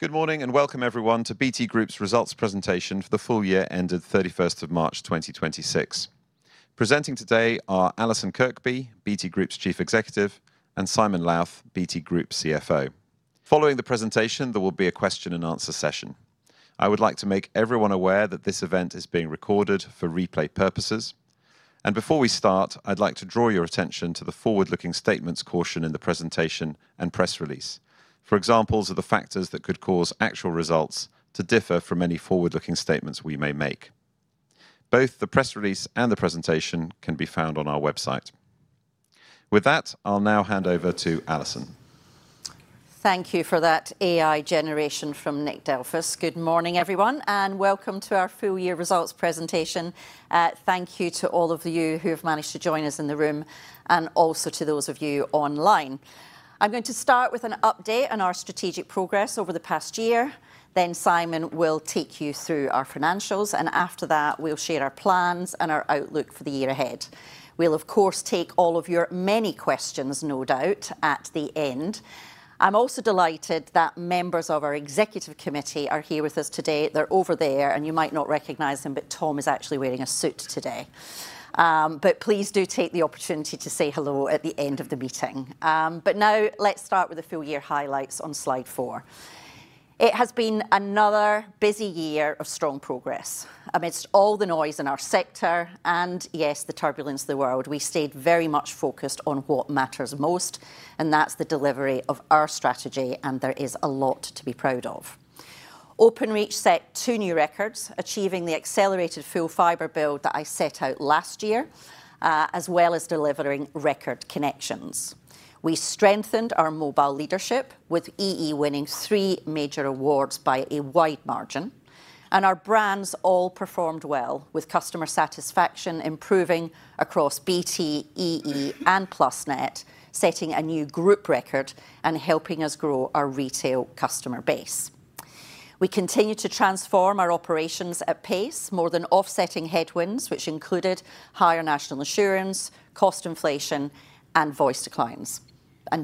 Good morning and welcome everyone to BT Group's results presentation for the full year ended 31st of March 2026. Presenting today are Allison Kirkby, BT Group's Chief Executive, and Simon Lowth, BT Group CFO. Following the presentation, there will be a question-and-answer session. I would like to make everyone aware that this event is being recorded for replay purposes. Before we start, I'd like to draw your attention to the forward-looking statements caution in the presentation and press release for examples of the factors that could cause actual results to differ from any forward-looking statements we may make. Both the press release and the presentation can be found on our website. With that, I'll now hand over to Allison. Thank you for that AI generation from Nick Delfas. Good morning, everyone, and welcome to our full-year results presentation. Thank you to all of you who have managed to join us in the room, and also to those of you online. I'm going to start with an update on our strategic progress over the past year, then Simon will take you through our financials, and after that, we'll share our plans and our outlook for the year ahead. We'll, of course, take all of your many questions, no doubt, at the end. I'm also delighted that members of our executive committee are here with us today. They're over there, and you might not recognize them, but Tom is actually wearing a suit today. Please do take the opportunity to say hello at the end of the meeting. Now, let's start with the full-year highlights on slide four. It has been another busy year of strong progress. Amidst all the noise in our sector, and yes, the turbulence of the world, we stayed very much focused on what matters most, and that's the delivery of our strategy, and there is a lot to be proud of. Openreach set two new records, achieving the accelerated full fibre build that I set out last year, as well as delivering record connections. We strengthened our mobile leadership with EE winning three major awards by a wide margin, and our brands all performed well with customer satisfaction improving across BT, EE, and Plusnet, setting a new group record and helping us grow our retail customer base. We continue to transform our operations at pace, more than offsetting headwinds, which included higher national insurance, cost inflation, and voice declines.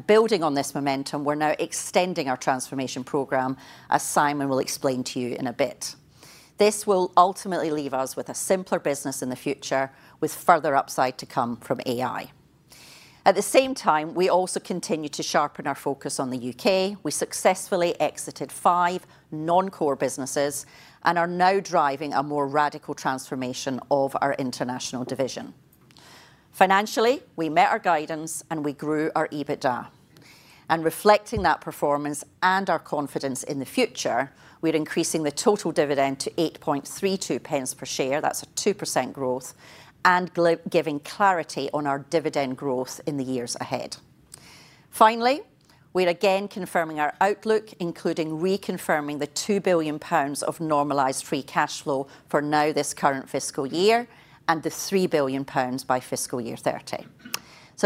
Building on this momentum, we're now extending our transformation program, as Simon will explain to you in a bit. This will ultimately leave us with a simpler business in the future, with further upside to come from AI. At the same time, we also continue to sharpen our focus on the U.K. We successfully exited five non-core businesses and are now driving a more radical transformation of our international division. Financially, we met our guidance, and we grew our EBITDA. Reflecting that performance and our confidence in the future, we're increasing the total dividend to 0.0832 per share, that's a 2% growth, and giving clarity on our dividend growth in the years ahead. Finally, we're again confirming our outlook, including reconfirming the 2 billion pounds of normalized free cash flow for now this current fiscal year and the 3 billion pounds by fiscal year 2030.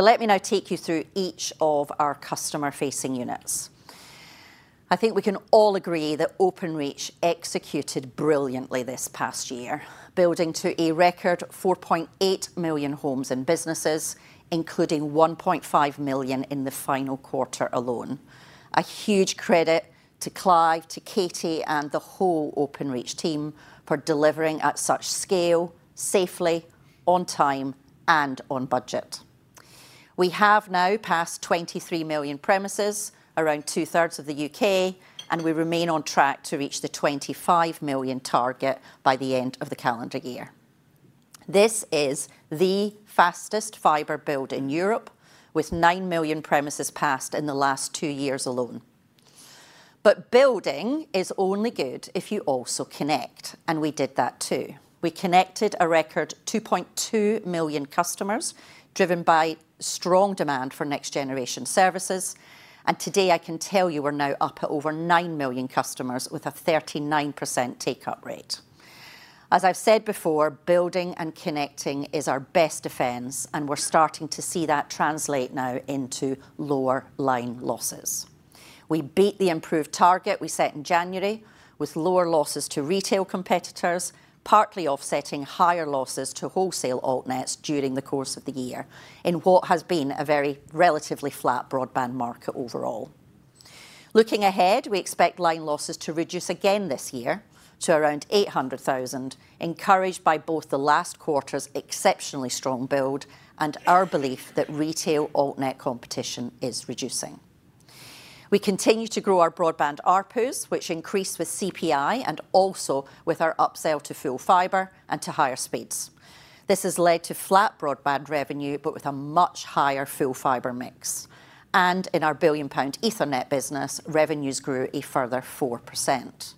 Let me now take you through each of our customer-facing units. I think we can all agree that Openreach executed brilliantly this past year, building to a record 4.8 million homes and businesses, including 1.5 million in the final quarter alone. A huge credit to Clive, to Katie, and the whole Openreach team for delivering at such scale safely, on time, and on budget. We have now passed 23 million premises, around 2/3 of the U.K., and we remain on track to reach the 25 million target by the end of the calendar year. This is the fastest fibre build in Europe, with 9 million premises passed in the last two years alone. But building is only good if you also connect, and we did that too. We connected a record 2.2 million customers, driven by strong demand for next-generation services. Today, I can tell you we're now up at over 9 million customers with a 39% take-up rate. As I've said before, building and connecting is our best defense, and we're starting to see that translate now into lower line losses. We beat the improved target we set in January with lower losses to retail competitors, partly offsetting higher losses to wholesale altnets during the course of the year in what has been a very relatively flat broadband market overall. Looking ahead, we expect line losses to reduce again this year to around 800,000, encouraged by both the last quarter's exceptionally strong build and our belief that retail altnet competition is reducing. We continue to grow our broadband ARPUs, which increased with CPI and also with our upsell to full fibre and to higher speeds. This has led to flat broadband revenue, but with a much higher full fibre mix. In our billion-pound Ethernet business, revenues grew a further 4%.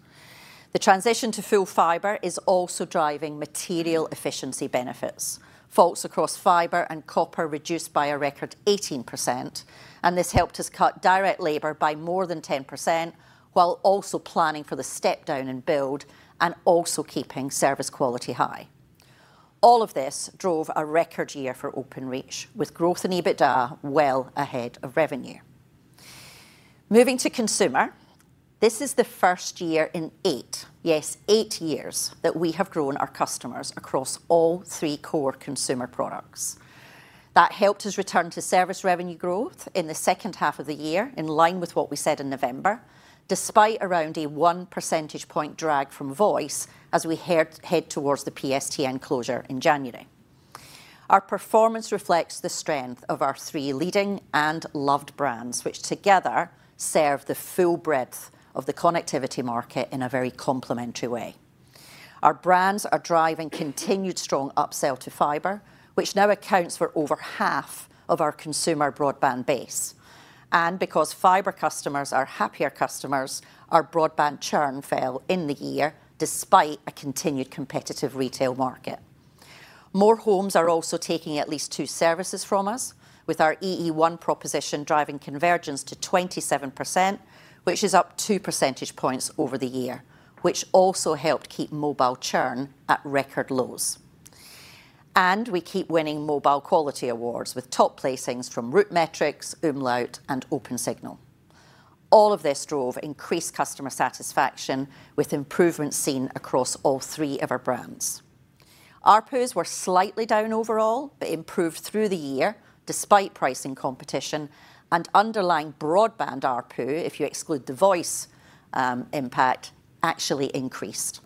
The transition to full fibre is also driving material efficiency benefits. Faults across fibre and copper reduced by a record 18%, and this helped us cut direct labor by more than 10% while also planning for the step-down in build and also keeping service quality high. All of this drove a record year for Openreach, with growth in EBITDA well ahead of revenue. Moving to consumer. This is the first year in eight, yes, eight years, that we have grown our customers across all three core consumer products. That helped us return to service revenue growth in the second half of the year, in line with what we said in November, despite around a 1 percentage point drag from voice as we head towards the PSTN closure in January. Our performance reflects the strength of our three leading and loved brands, which together serve the full breadth of the connectivity market in a very complementary way. Our brands are driving continued strong upsell to fibre, which now accounts for over half of our consumer broadband base. And because fibre customers are happier customers, our broadband churn fell in the year despite a continued competitive retail market. More homes are also taking at least two services from us, with our EE One proposition driving convergence to 27%, which is up 2 percentage points over the year, which also helped keep mobile churn at record lows. And we keep winning mobile quality awards, with top placings from RootMetrics, Umlaut, and Opensignal. All of this drove increased customer satisfaction, with improvements seen across all three of our brands. ARPUs were slightly down overall but improved through the year despite pricing competition and underlying broadband ARPU, if you exclude the voice impact, actually increased.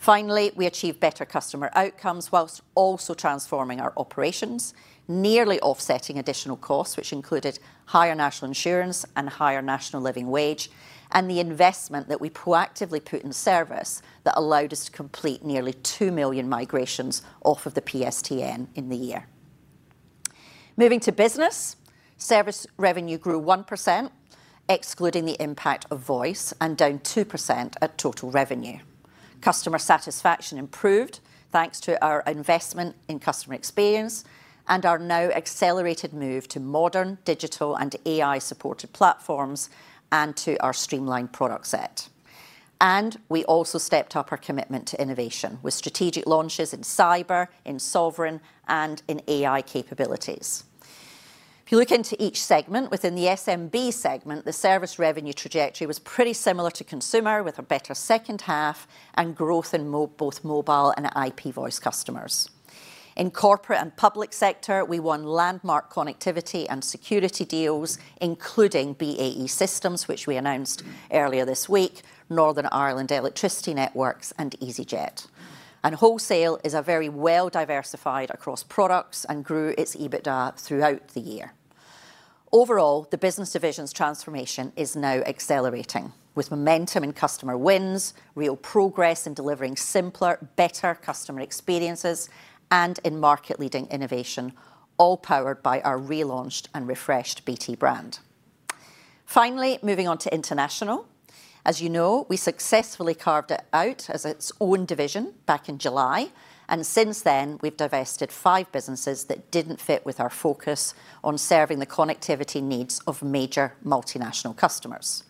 Finally, we achieved better customer outcomes whilst also transforming our operations, nearly offsetting additional costs, which included higher national insurance and higher National Living Wage, and the investment that we proactively put in service that allowed us to complete nearly 2 million migrations off of the PSTN in the year. Moving to business, service revenue grew 1%, excluding the impact of voice and down 2% at total revenue. Customer satisfaction improved thanks to our investment in customer experience and our now accelerated move to modern, digital, and AI-supported platforms and to our streamlined product set. We also stepped up our commitment to innovation with strategic launches in cyber, in sovereign, and in AI capabilities. If you look into each segment, within the SMB segment, the service revenue trajectory was pretty similar to consumer, with a better second half and growth in both mobile and IP voice customers. In corporate and public sector, we won landmark connectivity and security deals, including BAE Systems, which we announced earlier this week, Northern Ireland Electricity Networks, and easyJet. And wholesale is very well-diversified across products and grew its EBITDA throughout the year. Overall, the business division's transformation is now accelerating with momentum in customer wins, real progress in delivering simpler, better customer experiences, and in market-leading innovation, all powered by our relaunched and refreshed BT brand. Finally, moving on to international. As you know, we successfully carved it out as its own division back in July, and since then, we've divested five businesses that didn't fit with our focus on serving the connectivity needs of major multinational customers.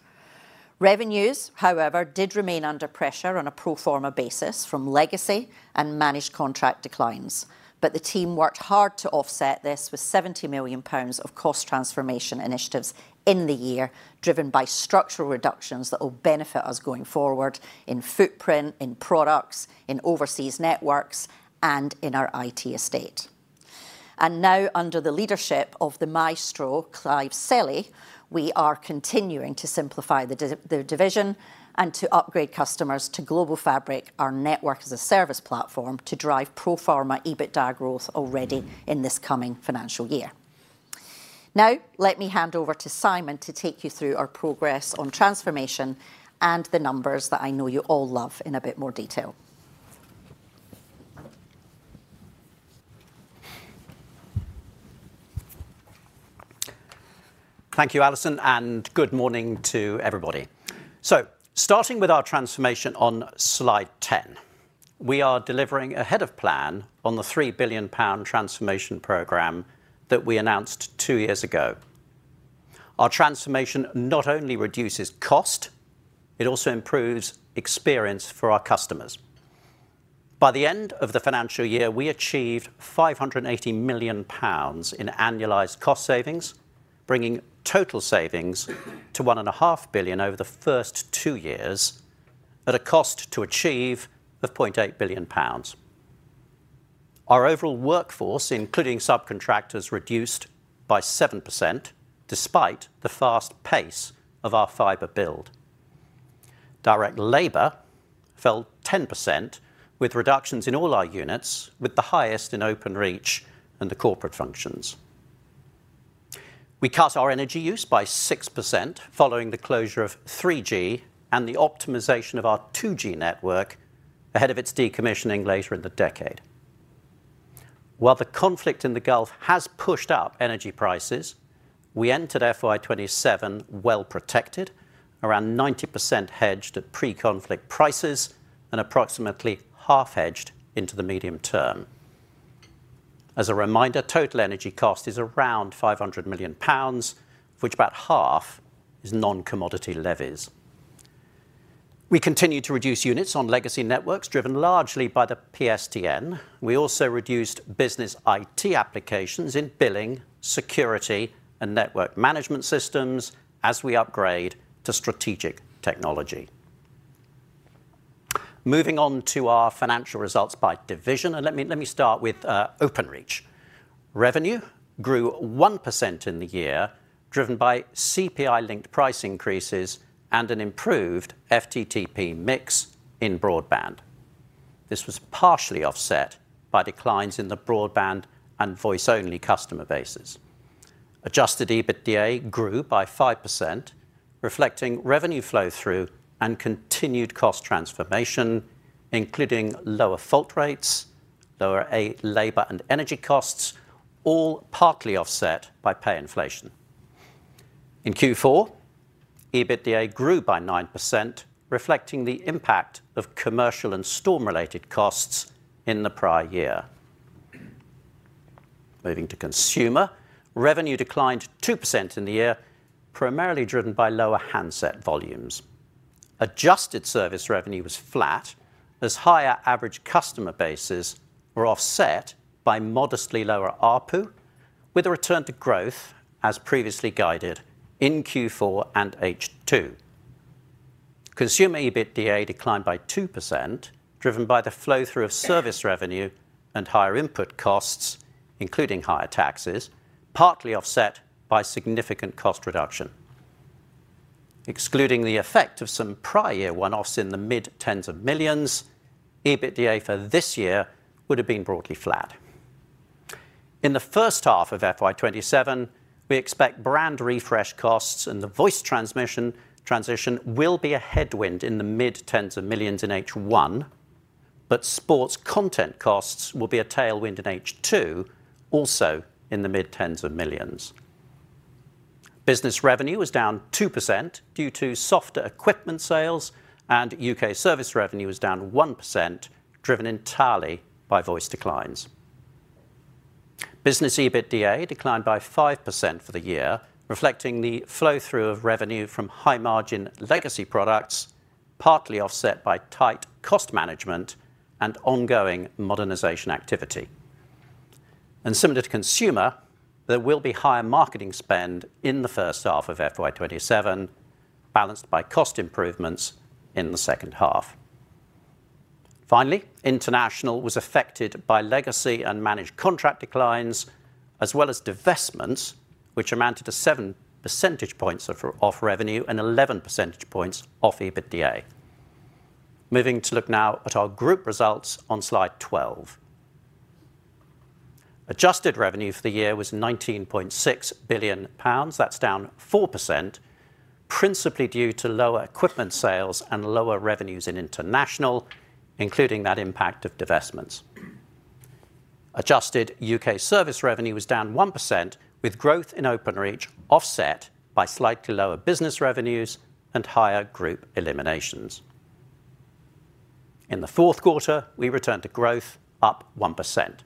Revenues, however, did remain under pressure on a pro forma basis from legacy and managed contract declines. But the team worked hard to offset this with 70 million pounds of cost transformation initiatives in the year, driven by structural reductions that will benefit us going forward in footprint, in products, in overseas networks, and in our IT estate. And now, under the leadership of the maestro, Clive Selley, we are continuing to simplify the division and to upgrade customers to Global Fabric, our network-as-a-service platform, to drive pro forma EBITDA growth already in this coming financial year. Now, let me hand over to Simon to take you through our progress on transformation and the numbers that I know you all love in a bit more detail. Thank you, Allison and good morning to everybody. Starting with our transformation on slide 10. We are delivering ahead of plan on the 3 billion pound transformation program that we announced two years ago. Our transformation not only reduces cost, it also improves experience for our customers. By the end of the financial year, we achieved 580 million pounds in annualized cost savings, bringing total savings to 1.5 billion over the first two years at a cost to achieve of 0.8 billion pounds. Our overall workforce, including subcontractors, reduced by 7%, despite the fast pace of our fibre build. Direct labor fell 10% with reductions in all our units, with the highest in Openreach and the corporate functions. We cut our energy use by 6% following the closure of 3G and the optimization of our 2G network ahead of its decommissioning later in the decade. While the conflict in the Gulf has pushed up energy prices, we entered FY 2027 well-protected, around 90% hedged at pre-conflict prices and approximately half hedged into the medium term. As a reminder, total energy cost is around 500 million pounds, of which about half is non-commodity levies. We continued to reduce units on legacy networks, driven largely by the PSTN. We also reduced business IT applications in billing, security, and network management systems as we upgrade to strategic technology. Moving on to our financial results by division, let me start with Openreach. Revenue grew 1% in the year, driven by CPI-linked price increases and an improved FTTP mix in broadband. This was partially offset by declines in the broadband and voice-only customer bases. Adjusted EBITDA grew by 5%, reflecting revenue flow-through and continued cost transformation, including lower fault rates, lower labor and energy costs, all partly offset by pay inflation. In Q4, EBITDA grew by 9%, reflecting the impact of commercial and storm-related costs in the prior year. Moving to consumer, revenue declined 2% in the year, primarily driven by lower handset volumes. Adjusted service revenue was flat as higher average customer bases were offset by modestly lower ARPU, with a return to growth as previously guided in Q4 and H2. Consumer EBITDA declined by 2%, driven by the flow-through of service revenue and higher input costs, including higher taxes, partly offset by significant cost reduction. Excluding the effect of some prior year one-offs in mid-tens of millions, EBITDA for this year would've been broadly flat. In the first half of FY 2027, we expect brand refresh costs and the voice transmission, transition will be a headwind in mid-tens of millions in H1, but sports content costs will be a tailwind in H2, also in mid-tens of millions. Business revenue was down 2% due to softer equipment sales, and U.K. service revenue was down 1%, driven entirely by voice declines. Business EBITDA declined by 5% for the year, reflecting the flow-through of revenue from high-margin legacy products, partly offset by tight cost management and ongoing modernization activity. Similar to consumer, there will be higher marketing spend in the first half of FY 2027, balanced by cost improvements in the second half. Finally, international was affected by legacy and managed contract declines, as well as divestments, which amounted to 7 percentage points off revenue and 11 percentage points off EBITDA. Moving to look now at our group results on slide 12. Adjusted revenue for the year was 19.6 billion pounds. That's down 4%, principally due to lower equipment sales and lower revenues in international, including that impact of divestments. Adjusted U.K. service revenue was down 1%, with growth in Openreach offset by slightly lower business revenues and higher group eliminations. In the fourth quarter, we returned to growth, up 1%.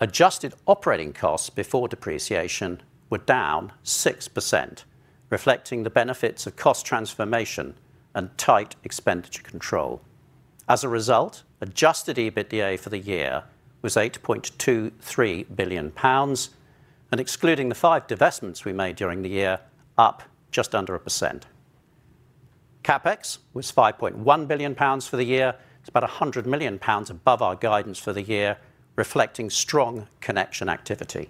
Adjusted operating costs before depreciation were down 6%, reflecting the benefits of cost transformation and tight expenditure control. As a result, adjusted EBITDA for the year was 8.23 billion pounds, and excluding the five divestments we made during the year, up just under 1%. CapEx was 5.1 billion pounds for the year. It's about 100 million pounds above our guidance for the year, reflecting strong connection activity.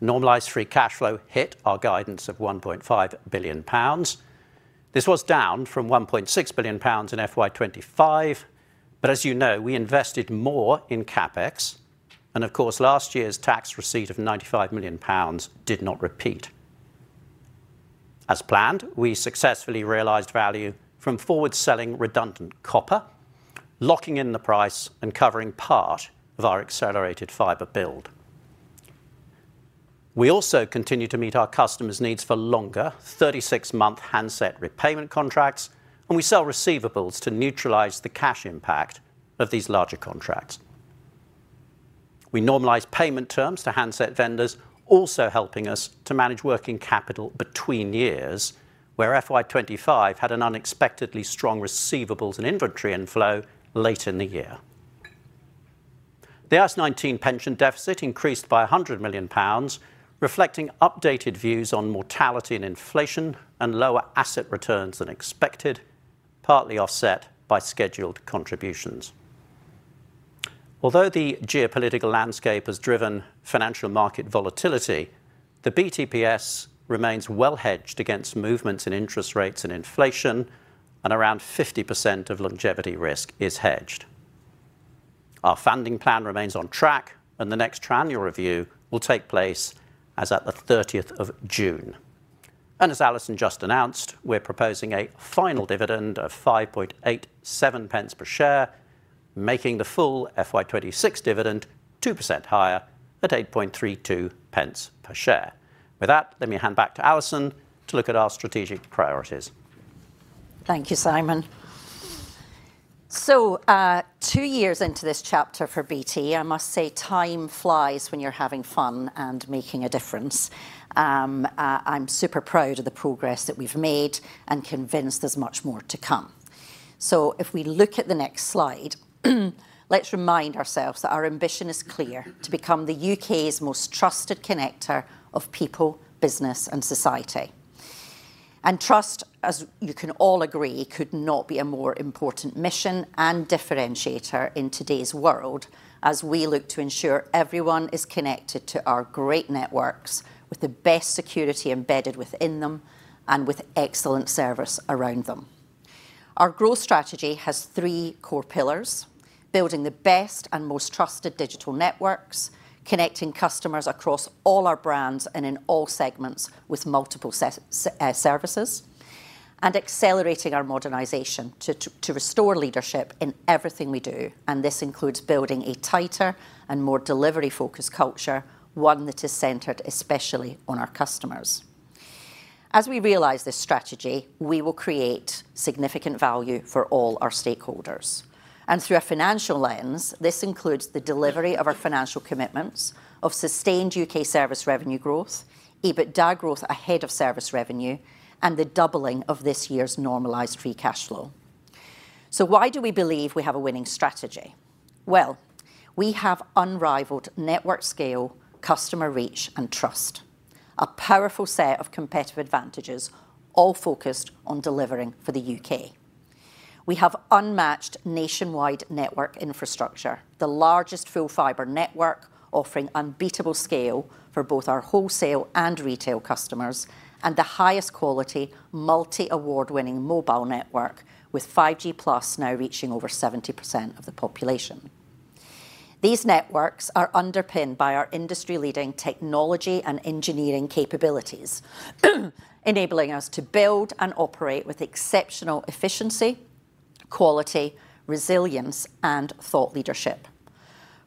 Normalized free cash flow hit our guidance of 1.5 billion pounds. This was down from 1.6 billion pounds in FY 2025. As you know, we invested more in CapEx, and of course, last year's tax receipt of 95 million pounds did not repeat. As planned, we successfully realized value from forward selling redundant copper, locking in the price and covering part of our accelerated fibre build. We also continue to meet our customers' needs for longer 36-month handset repayment contracts, and we sell receivables to neutralize the cash impact of these larger contracts. We normalize payment terms to handset vendors, also helping us to manage working capital between years, where FY 2025 had an unexpectedly strong receivables and inventory inflow late in the year. The IAS 19 pension deficit increased by 100 million pounds, reflecting updated views on mortality and inflation and lower asset returns than expected, partly offset by scheduled contributions. Although the geopolitical landscape has driven financial market volatility, the BTPS remains well hedged against movements in interest rates and inflation, and around 50% of longevity risk is hedged. Our funding plan remains on track, and the next triannual review will take place as at the 30th of June. As Allison just announced, we're proposing a final dividend of 0.0587 per share, making the full FY 2026 dividend 2% higher at 0.0832 per share. With that, let me hand back to Allison to look at our strategic priorities. Thank you, Simon. Two years into this chapter for BT, I must say, time flies when you're having fun and making a difference. I'm super proud of the progress that we've made and convinced there's much more to come. If we look at the next slide, let's remind ourselves that our ambition is clear, to become the U.K.'s most trusted connector of people, business, and society. And trust, as you can all agree, could not be a more important mission and differentiator in today's world, as we look to ensure everyone is connected to our great networks with the best security embedded within them and with excellent service around them. Our growth strategy has three core pillars, building the best and most trusted digital networks, connecting customers across all our brands and in all segments with multiple services, and accelerating our modernization to restore leadership in everything we do. This includes building a tighter and more delivery-focused culture, one that is centered especially on our customers. As we realize this strategy, we will create significant value for all our stakeholders. Through a financial lens, this includes the delivery of our financial commitments of sustained U.K. service revenue growth, EBITDA growth ahead of service revenue, and the doubling of this year's normalized free cash flow. Why do we believe we have a winning strategy? Well, we have unrivaled network scale, customer reach, and trust, a powerful set of competitive advantages all focused on delivering for the U.K. We have unmatched nationwide network infrastructure, the largest full fibre network offering unbeatable scale for both our wholesale and retail customers, and the highest quality multi-award-winning mobile network with 5G+ now reaching over 70% of the population. These networks are underpinned by our industry-leading technology and engineering capabilities, enabling us to build and operate with exceptional efficiency, quality, resilience, and thought leadership.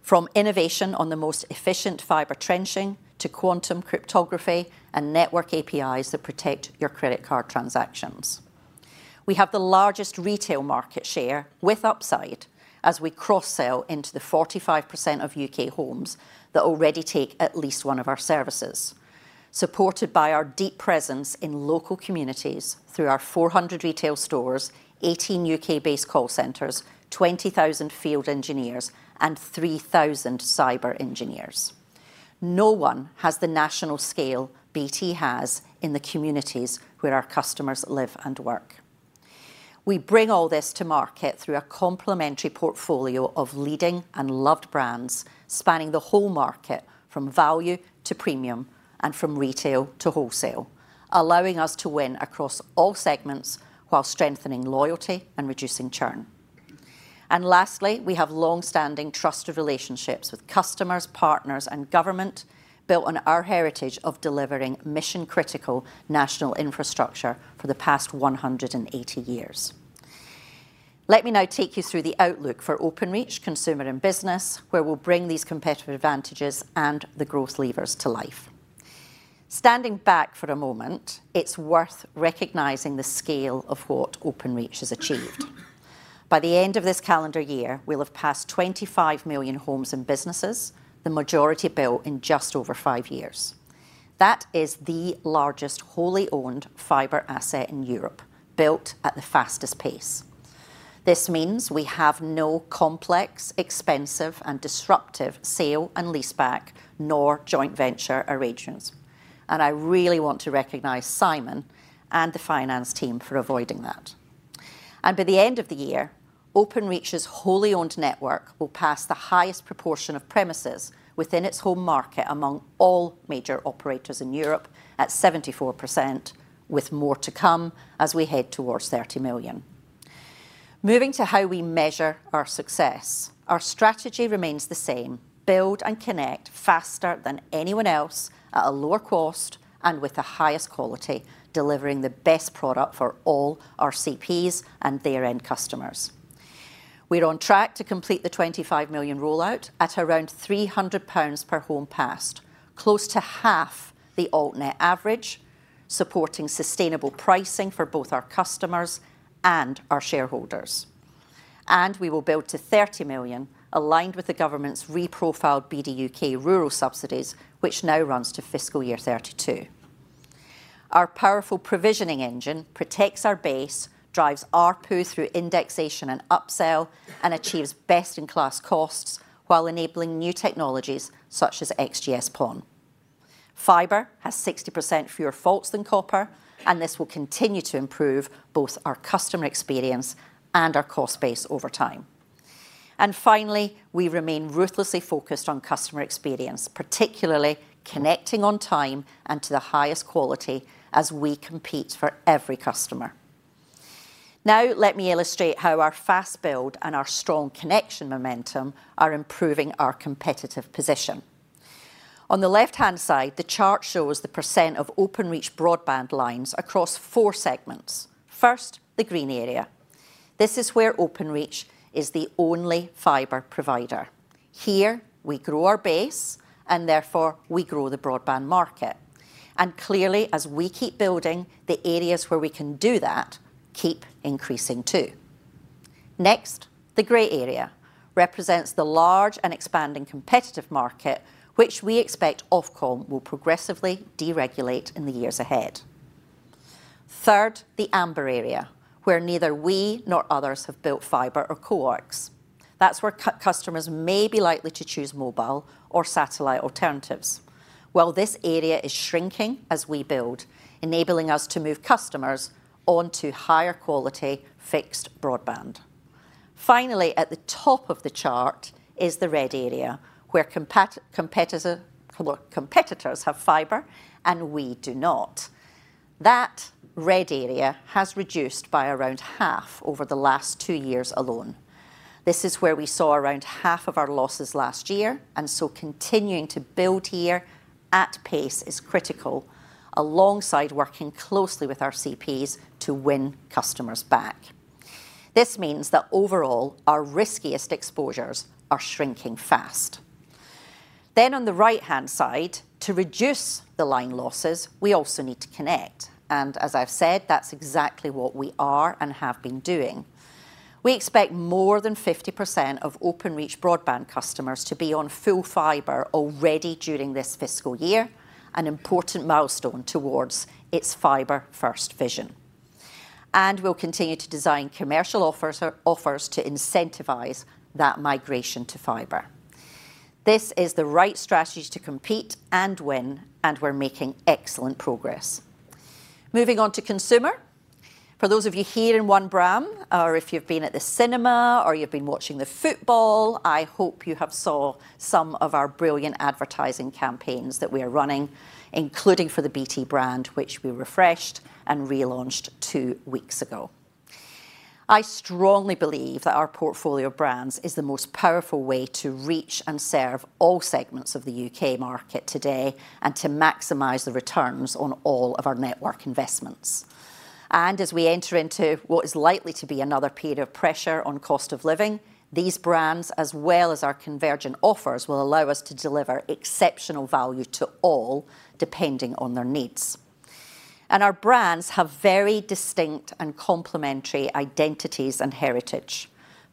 From innovation on the most efficient fibre trenching to quantum cryptography and network APIs that protect your credit card transactions. We have the largest retail market share with upside as we cross-sell into the 45% of U.K. homes that already take at least one of our services, supported by our deep presence in local communities through our 400 retail stores, 18 U.K.-based call centers, 20,000 field engineers, and 3,000 cyber engineers. No one has the national scale BT has in the communities where our customers live and work. We bring all this to market through a complementary portfolio of leading and loved brands spanning the whole market from value to premium and from retail to wholesale, allowing us to win across all segments while strengthening loyalty and reducing churn. Lastly, we have longstanding trusted relationships with customers, partners, and government built on our heritage of delivering mission-critical national infrastructure for the past 180 years. Let me now take you through the outlook for Openreach consumer and business, where we'll bring these competitive advantages and the growth levers to life. Standing back for a moment, it's worth recognizing the scale of what Openreach has achieved. By the end of this calendar year, we'll have passed 25 million homes and businesses, the majority built in just over five years. That is the largest wholly owned fibre asset in Europe, built at the fastest pace. This means we have no complex, expensive, and disruptive sale and leaseback, nor joint venture arrangements. And I really want to recognize Simon and the finance team for avoiding that. By the end of the year, Openreach's wholly owned network will pass the highest proportion of premises within its home market among all major operators in Europe at 74%, with more to come as we head towards 30 million. Moving to how we measure our success, our strategy remains the same, build and connect faster than anyone else at a lower cost and with the highest quality, delivering the best product for all our CPs and their end customers. We're on track to complete the 25 million rollout at around 300 pounds per home passed, close to half the altnet average, supporting sustainable pricing for both our customers and our shareholders. We will build to 30 million aligned with the government's reprofiled BDUK rural subsidies, which now runs to fiscal year 2032. Our powerful provisioning engine protects our base, drives ARPU through indexation and upsell, and achieves best-in-class costs while enabling new technologies such as XGS-PON. Fibre has 60% fewer faults than copper, and this will continue to improve both our customer experience and our cost base over time. Finally, we remain ruthlessly focused on customer experience, particularly connecting on time and to the highest quality as we compete for every customer. Now, let me illustrate how our fast build and our strong connection momentum are improving our competitive position. On the left-hand side, the chart shows the percent of Openreach broadband lines across four segments. First, the green area. This is where Openreach is the only fibre provider. Here, we grow our base and therefore, we grow the broadband market. Clearly, as we keep building, the areas where we can do that keep increasing too. Next, the gray area represents the large and expanding competitive market, which we expect Ofcom will progressively deregulate in the years ahead. Third, the amber area, where neither we nor others have built fibre or coax. That's where customers may be likely to choose mobile or satellite alternatives. Well, this area is shrinking as we build, enabling us to move customers onto higher quality fixed broadband. Finally, at the top of the chart is the red area, where competitors have fibre, and we do not. That red area has reduced by around half over the last two years alone. This is where we saw around half of our losses last year, and so continuing to build here at pace is critical, alongside working closely with our CPs to win customers back. This means that overall, our riskiest exposures are shrinking fast. On the right-hand side, to reduce the line losses, we also need to connect, and as I've said, that's exactly what we are and have been doing. We expect more than 50% of Openreach broadband customers to be on full fibre already during this fiscal year, an important milestone towards its fibre-first vision. We'll continue to design commercial offers to incentivize that migration to fibre. This is the right strategy to compete and win, and we're making excellent progress. Moving on to consumer. For those of you here in One Braham, or if you've been at the cinema, or you've been watching the football, I hope you have saw some of our brilliant advertising campaigns that we are running, including for the BT brand, which we refreshed and relaunched two weeks ago. I strongly believe that our portfolio of brands is the most powerful way to reach and serve all segments of the U.K. market today and to maximize the returns on all of our network investments. As we enter into what is likely to be another period of pressure on cost of living, these brands, as well as our convergent offers, will allow us to deliver exceptional value to all, depending on their needs. Our brands have very distinct and complementary identities and heritage.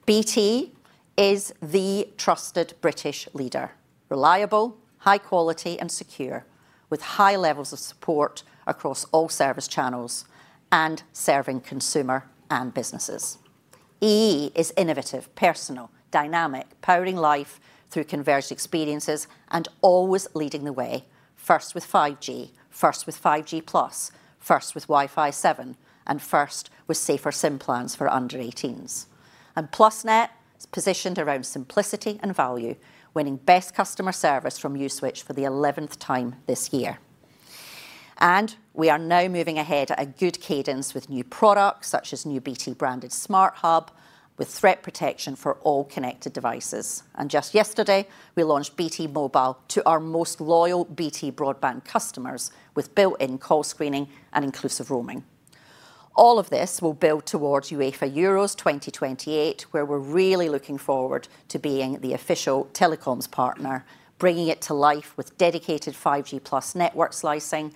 BT is the trusted British leader, reliable, high quality, and secure, with high levels of support across all service channels and serving consumer and businesses. EE is innovative, personal, dynamic, powering life through converged experiences and always leading the way, first with 5G, first with 5G+, first with Wi-Fi 7, and first with safer SIM plans for under 18s. Plusnet is positioned around simplicity and value, winning best customer service from Uswitch for the 11th time this year. We are now moving ahead at a good cadence with new products, such as new BT-branded Smart Hub with threat protection for all connected devices. Just yesterday, we launched BT Mobile to our most loyal BT broadband customers with built-in call screening and inclusive roaming. All of this will build towards UEFA Euro 2028, where we're really looking forward to being the official telecoms partner, bringing it to life with dedicated 5G+ network slicing,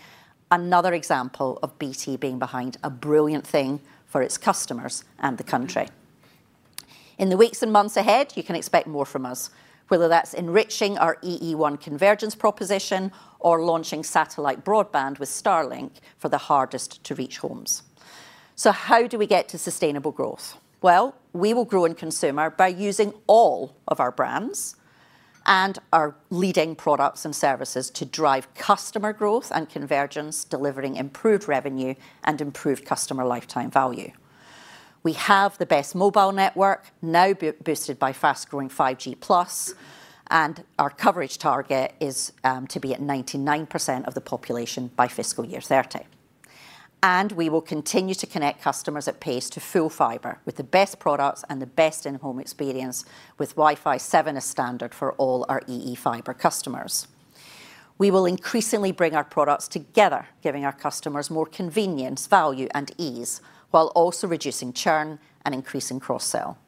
another example of BT being behind a brilliant thing for its customers and the country. In the weeks and months ahead, you can expect more from us, whether that's enriching our EE One convergence proposition or launching satellite broadband with Starlink for the hardest to reach homes. How do we get to sustainable growth? Well, we will grow in consumer by using all of our brands and our leading products and services to drive customer growth and convergence, delivering improved revenue and improved customer lifetime value. We have the best mobile network, now boosted by fast-growing 5G+, and our coverage target is to be at 99% of the population by fiscal year 2030. We will continue to connect customers at pace to full fibre with the best products and the best in-home experience with Wi-Fi 7 as standard for all our EE fibre customers. We will increasingly bring our products together, giving our customers more convenience, value, and ease, while also reducing churn and increasing cross-sell.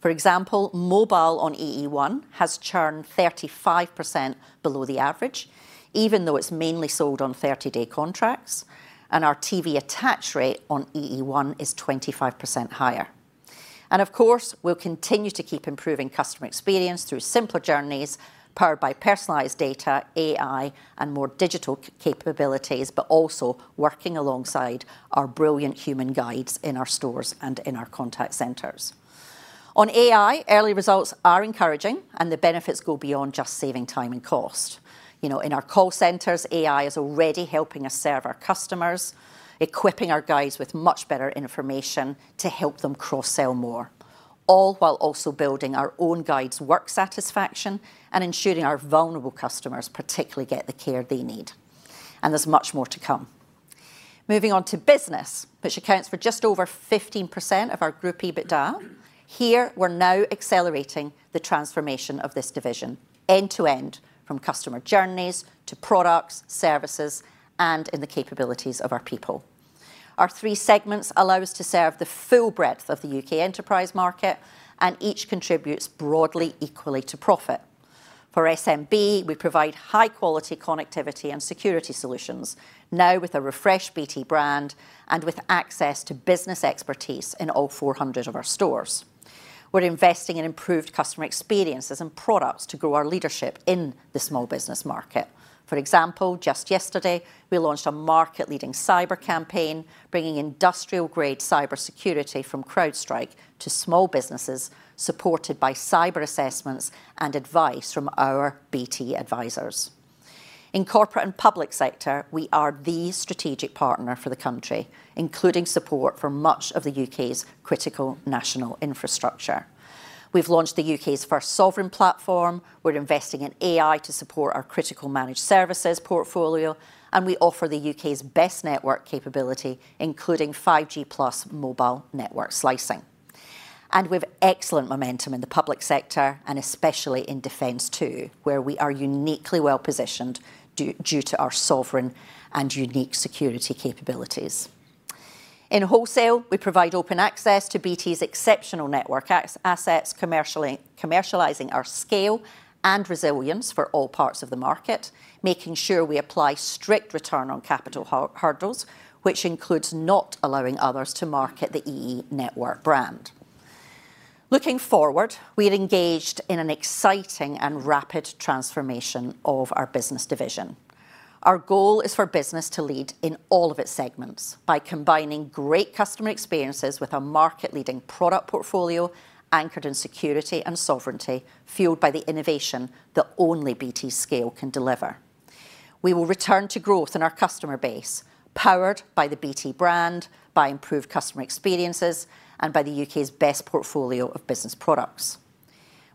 For example, mobile on EE One has churned 35% below the average, even though it's mainly sold on 30-day contracts, and our TV attach rate on EE One is 25% higher. Of course, we'll continue to keep improving customer experience through simpler journeys powered by personalized data, AI, and more digital capabilities, but also working alongside our brilliant human guides in our stores and in our contact centers. On AI, early results are encouraging, and the benefits go beyond just saving time and cost. In our call centers, AI is already helping us serve our customers, equipping our guides with much better information to help them cross-sell more, all while also building our own guides' work satisfaction and ensuring our vulnerable customers particularly get the care they need. And there's much more to come. Moving on to business, which accounts for just over 15% of our group EBITDA. Here, we're now accelerating the transformation of this division end to end, from customer journeys to products, services, and in the capabilities of our people. Our three segments allow us to serve the full breadth of the U.K. enterprise market, and each contributes broadly equally to profit. For SMB, we provide high-quality connectivity and security solutions, now with a refreshed BT brand and with access to business expertise in all 400 of our stores. We're investing in improved customer experiences and products to grow our leadership in the small business market. For example, just yesterday, we launched a market-leading cyber campaign, bringing industrial-grade cybersecurity from CrowdStrike to small businesses, supported by cyber assessments and advice from our BT advisors. In corporate and public sector, we are the strategic partner for the country, including support for much of the U.K.'s critical national infrastructure. We've launched the U.K.'s first sovereign platform, we're investing in AI to support our critical managed services portfolio, and we offer the U.K.'s best network capability, including 5G+ mobile network slicing. We've excellent momentum in the public sector and especially in defense, too, where we are uniquely well-positioned due to our sovereign and unique security capabilities. In wholesale, we provide open access to BT's exceptional network assets, commercializing our scale and resilience for all parts of the market, making sure we apply strict return on capital hurdles, which includes not allowing others to market the EE network brand. Looking forward, we're engaged in an exciting and rapid transformation of our business division. Our goal is for business to lead in all of its segments by combining great customer experiences with a market-leading product portfolio anchored in security and sovereignty, fueled by the innovation that only BT's scale can deliver. We will return to growth in our customer base, powered by the BT brand, by improved customer experiences, and by the U.K.'s best portfolio of business products.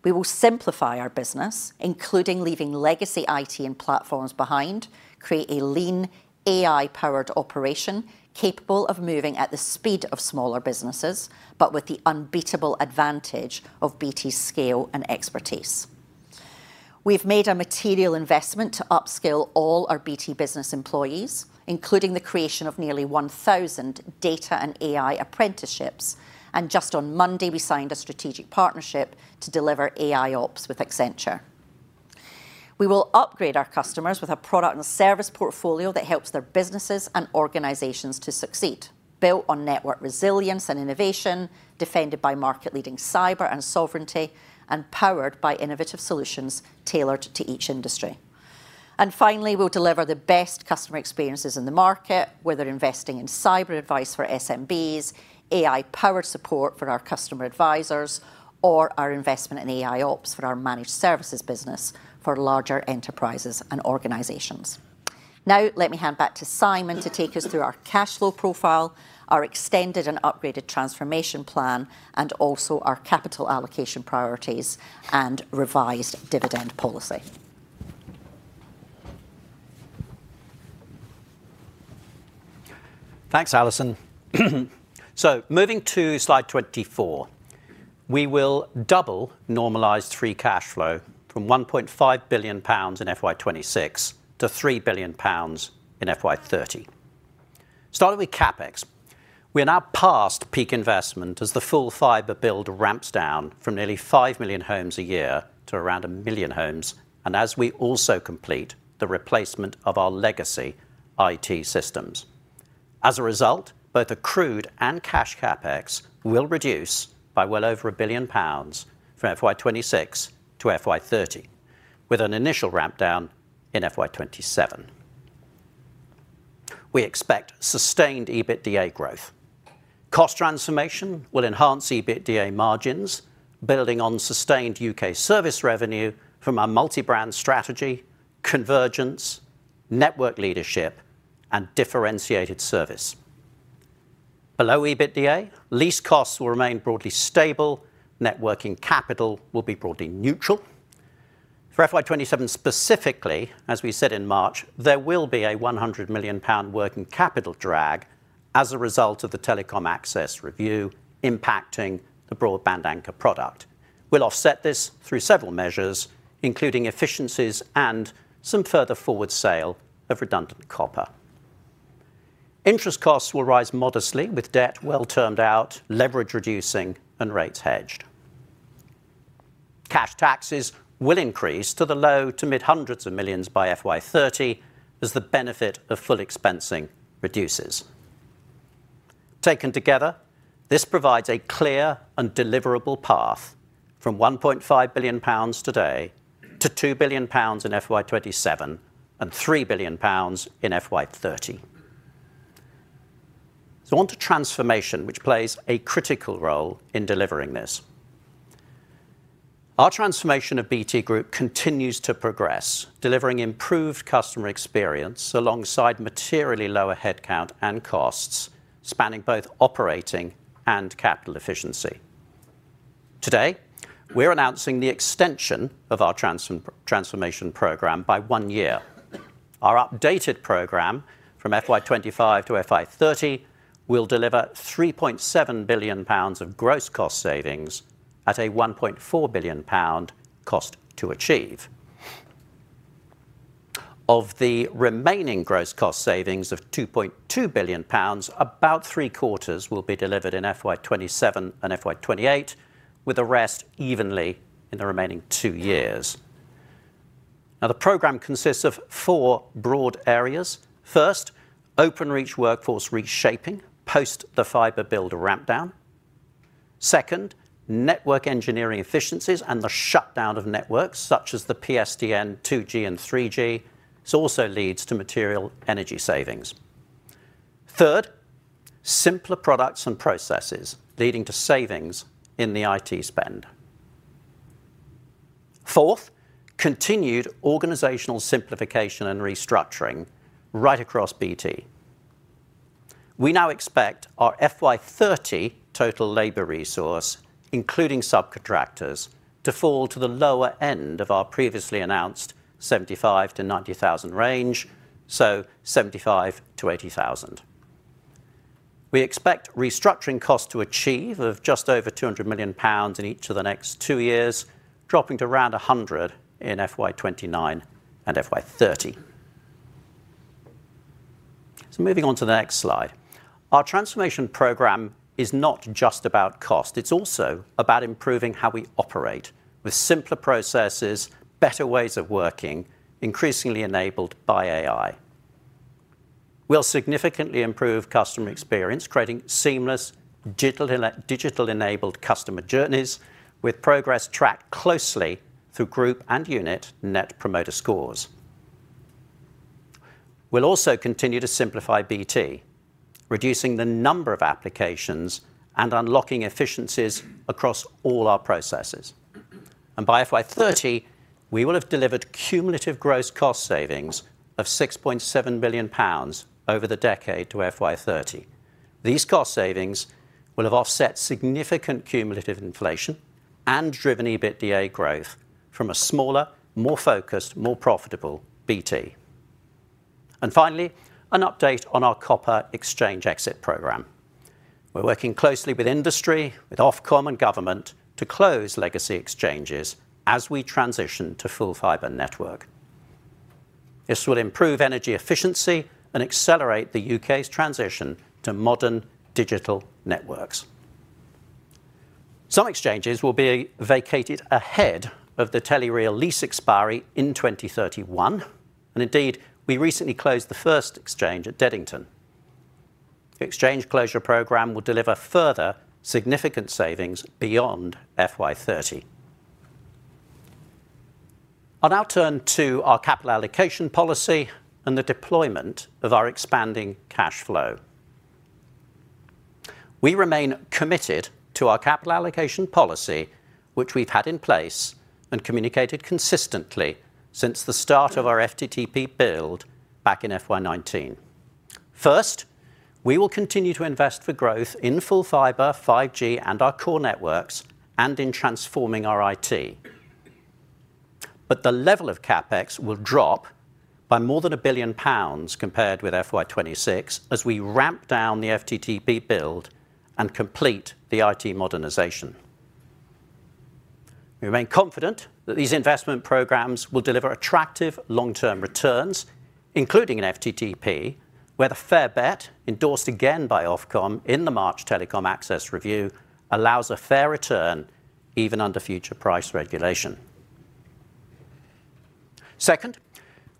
We will simplify our business, including leaving legacy IT and platforms behind, create a lean, AI-powered operation capable of moving at the speed of smaller businesses but with the unbeatable advantage of BT's scale and expertise. We've made a material investment to upskill all our BT Business employees, including the creation of nearly 1,000 data and AI apprenticeships, and just on Monday, we signed a strategic partnership to deliver AIOps with Accenture. We will upgrade our customers with a product and service portfolio that helps their businesses and organizations to succeed, built on network resilience and innovation, defended by market-leading cyber and sovereignty, and powered by innovative solutions tailored to each industry. Finally, we'll deliver the best customer experiences in the market, whether investing in cyber advice for SMBs, AI-powered support for our customer advisors, or our investment in AIOps for our managed services business for larger enterprises and organizations. Now, let me hand back to Simon to take us through our cash flow profile, our extended and upgraded transformation plan, and also our capital allocation priorities and revised dividend policy. Thanks, Allison. Moving to slide 24. We will double normalized free cash flow from 1.5 billion pounds in FY 2026 to 3 billion pounds in FY 2030. Starting with CapEx, we are now past peak investment as the full fibre build ramps down from nearly 5 million homes a year to around 1 million homes, and as we also complete the replacement of our legacy IT systems. As a result, both accrued and cash CapEx will reduce by well over 1 billion pounds from FY 2026 to FY 2030, with an initial ramp down in FY 2027. We expect sustained EBITDA growth. Cost transformation will enhance EBITDA margins, building on sustained U.K. service revenue from our multi-brand strategy, convergence, network leadership, and differentiated service. Below EBITDA, lease costs will remain broadly stable. Net working capital will be broadly neutral. For FY 2027, specifically, as we said in March, there will be a 100 million pound working capital drag as a result of the Telecoms Access Review impacting the broadband anchor product. We'll offset this through several measures, including efficiencies and some further forward sale of redundant copper. Interest costs will rise modestly with debt well termed out, leverage reducing, and rates hedged. Cash taxes will increase to low- to mid-hundreds of millions by FY 2030 as the benefit of full expensing reduces. Taken together, this provides a clear and deliverable path from 1.5 billion pounds today to 2 billion pounds in FY 2027 and 3 billion pounds in FY 2030. On to transformation, which plays a critical role in delivering this. Our transformation of BT Group continues to progress, delivering improved customer experience alongside materially lower headcount and costs, spanning both operating and capital efficiency. Today, we are announcing the extension of our transformation program by one year. Our updated program from FY 2025 to FY 2030 will deliver 3.7 billion pounds of gross cost savings at a 1.4 billion pound cost to achieve. Of the remaining gross cost savings of 2.2 billion pounds, about three quarters will be delivered in FY 2027 and FY 2028, with the rest evenly in the remaining two years. Now, the program consists of four broad areas. First, Openreach workforce reshaping, post the fibre build ramp down. Second, network engineering efficiencies and the shutdown of networks such as the PSTN, 2G, and 3G. This also leads to material energy savings. Third, simpler products and processes, leading to savings in the IT spend. Fourth, continued organizational simplification and restructuring right across BT. We now expect our FY 2030 total labor resource, including subcontractors, to fall to the lower end of our previously announced 75,000-90,000 range, so 75,000-80,000. We expect restructuring costs to achieve of just over 200 million pounds in each of the next two years, dropping to around 100 million in FY 2029 and FY 2030. Moving on to the next slide. Our transformation program is not just about cost, it's also about improving how we operate with simpler processes, better ways of working, increasingly enabled by AI. We'll significantly improve customer experience, creating seamless digital-enabled customer journeys with progress tracked closely through group and unit Net Promoter Scores. We'll also continue to simplify BT, reducing the number of applications and unlocking efficiencies across all our processes. By FY 2030, we will have delivered cumulative gross cost savings of 6.7 billion pounds over the decade to FY 2030. These cost savings will have offset significant cumulative inflation and driven EBITDA growth from a smaller, more focused, more profitable BT. Finally, an update on our copper exchange exit program. We're working closely with industry, with Ofcom and government, to close legacy exchanges as we transition to full fibre network. This will improve energy efficiency and accelerate the U.K.'s transition to modern digital networks. Some exchanges will be vacated ahead of the Telereal lease expiry in 2031. Indeed, we recently closed the first exchange at Deddington. The exchange closure program will deliver further significant savings beyond FY 2030. I'll now turn to our capital allocation policy and the deployment of our expanding cash flow. We remain committed to our capital allocation policy, which we've had in place and communicated consistently since the start of our FTTP build back in FY 2019. First, we will continue to invest for growth in full fibre, 5G, and our core networks, and in transforming our IT. The level of CapEx will drop by more than 1 billion pounds compared with FY 2026 as we ramp down the FTTP build and complete the IT modernization. We remain confident that these investment programs will deliver attractive long-term returns, including in FTTP, where the fair bet, endorsed again by Ofcom in the March Telecoms Access Review, allows a fair return even under future price regulation. Second,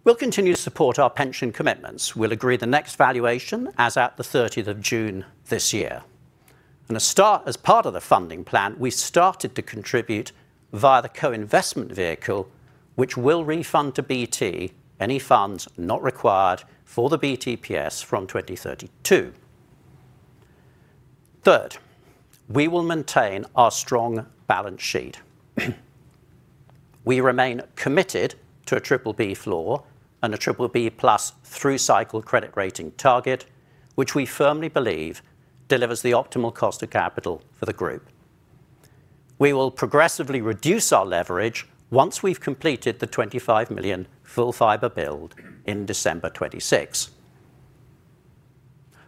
we'll continue to support our pension commitments. We'll agree the next valuation as at the 30th of June this year. As part of the funding plan, we started to contribute via the co-investment vehicle, which will refund to BT any funds not required for the BTPS from 2032. Third, we will maintain our strong balance sheet. We remain committed to a BBB floor and a BBB+ through-cycle credit rating target, which we firmly believe delivers the optimal cost of capital for the group. We will progressively reduce our leverage once we've completed the 25 million full fibre build in December 2026.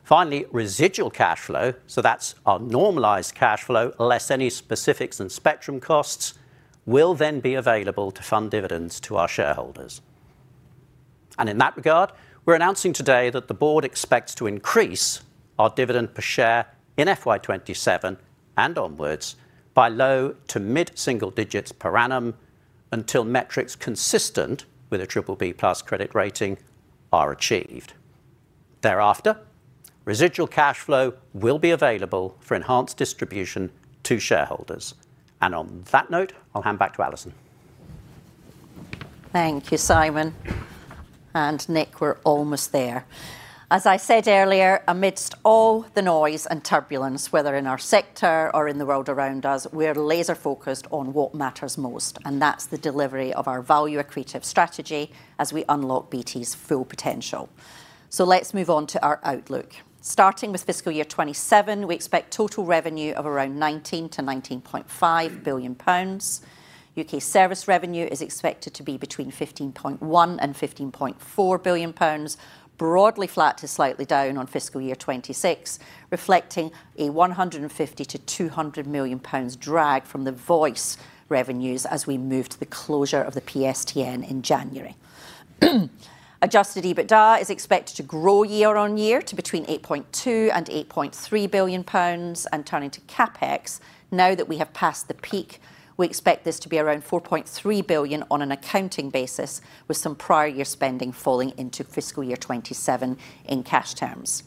Finally, residual cash flow, so that's our normalized cash flow less any specifics and spectrum costs, will then be available to fund dividends to our shareholders. In that regard, we're announcing today that the board expects to increase our dividend per share in FY 2027 and onwards by low- to mid-single digits per annum until metrics consistent with a BBB+ credit rating are achieved. Thereafter, residual cash flow will be available for enhanced distribution to shareholders. On that note, I'll hand back to Allison. Thank you, Simon and Nick, we're almost there. As I said earlier, amidst all the noise and turbulence, whether in our sector or in the world around us, we are laser-focused on what matters most, and that's the delivery of our value accretive strategy as we unlock BT's full potential. Let's move on to our outlook. Starting with fiscal year 2027, we expect total revenue of around 19 billion-19.5 billion pounds. U.K. service revenue is expected to be between 15.1 billion and 15.4 billion pounds, broadly flat to slightly down on fiscal year 2026, reflecting a 150 million-200 million pounds drag from the voice revenues as we move to the closure of the PSTN in January. Adjusted EBITDA is expected to grow year-on-year to between 8.2 billion and 8.3 billion pounds. Turning to CapEx, now that we have passed the peak, we expect this to be around 4.3 billion on an accounting basis, with some prior year spending falling into fiscal year 2027 in cash terms.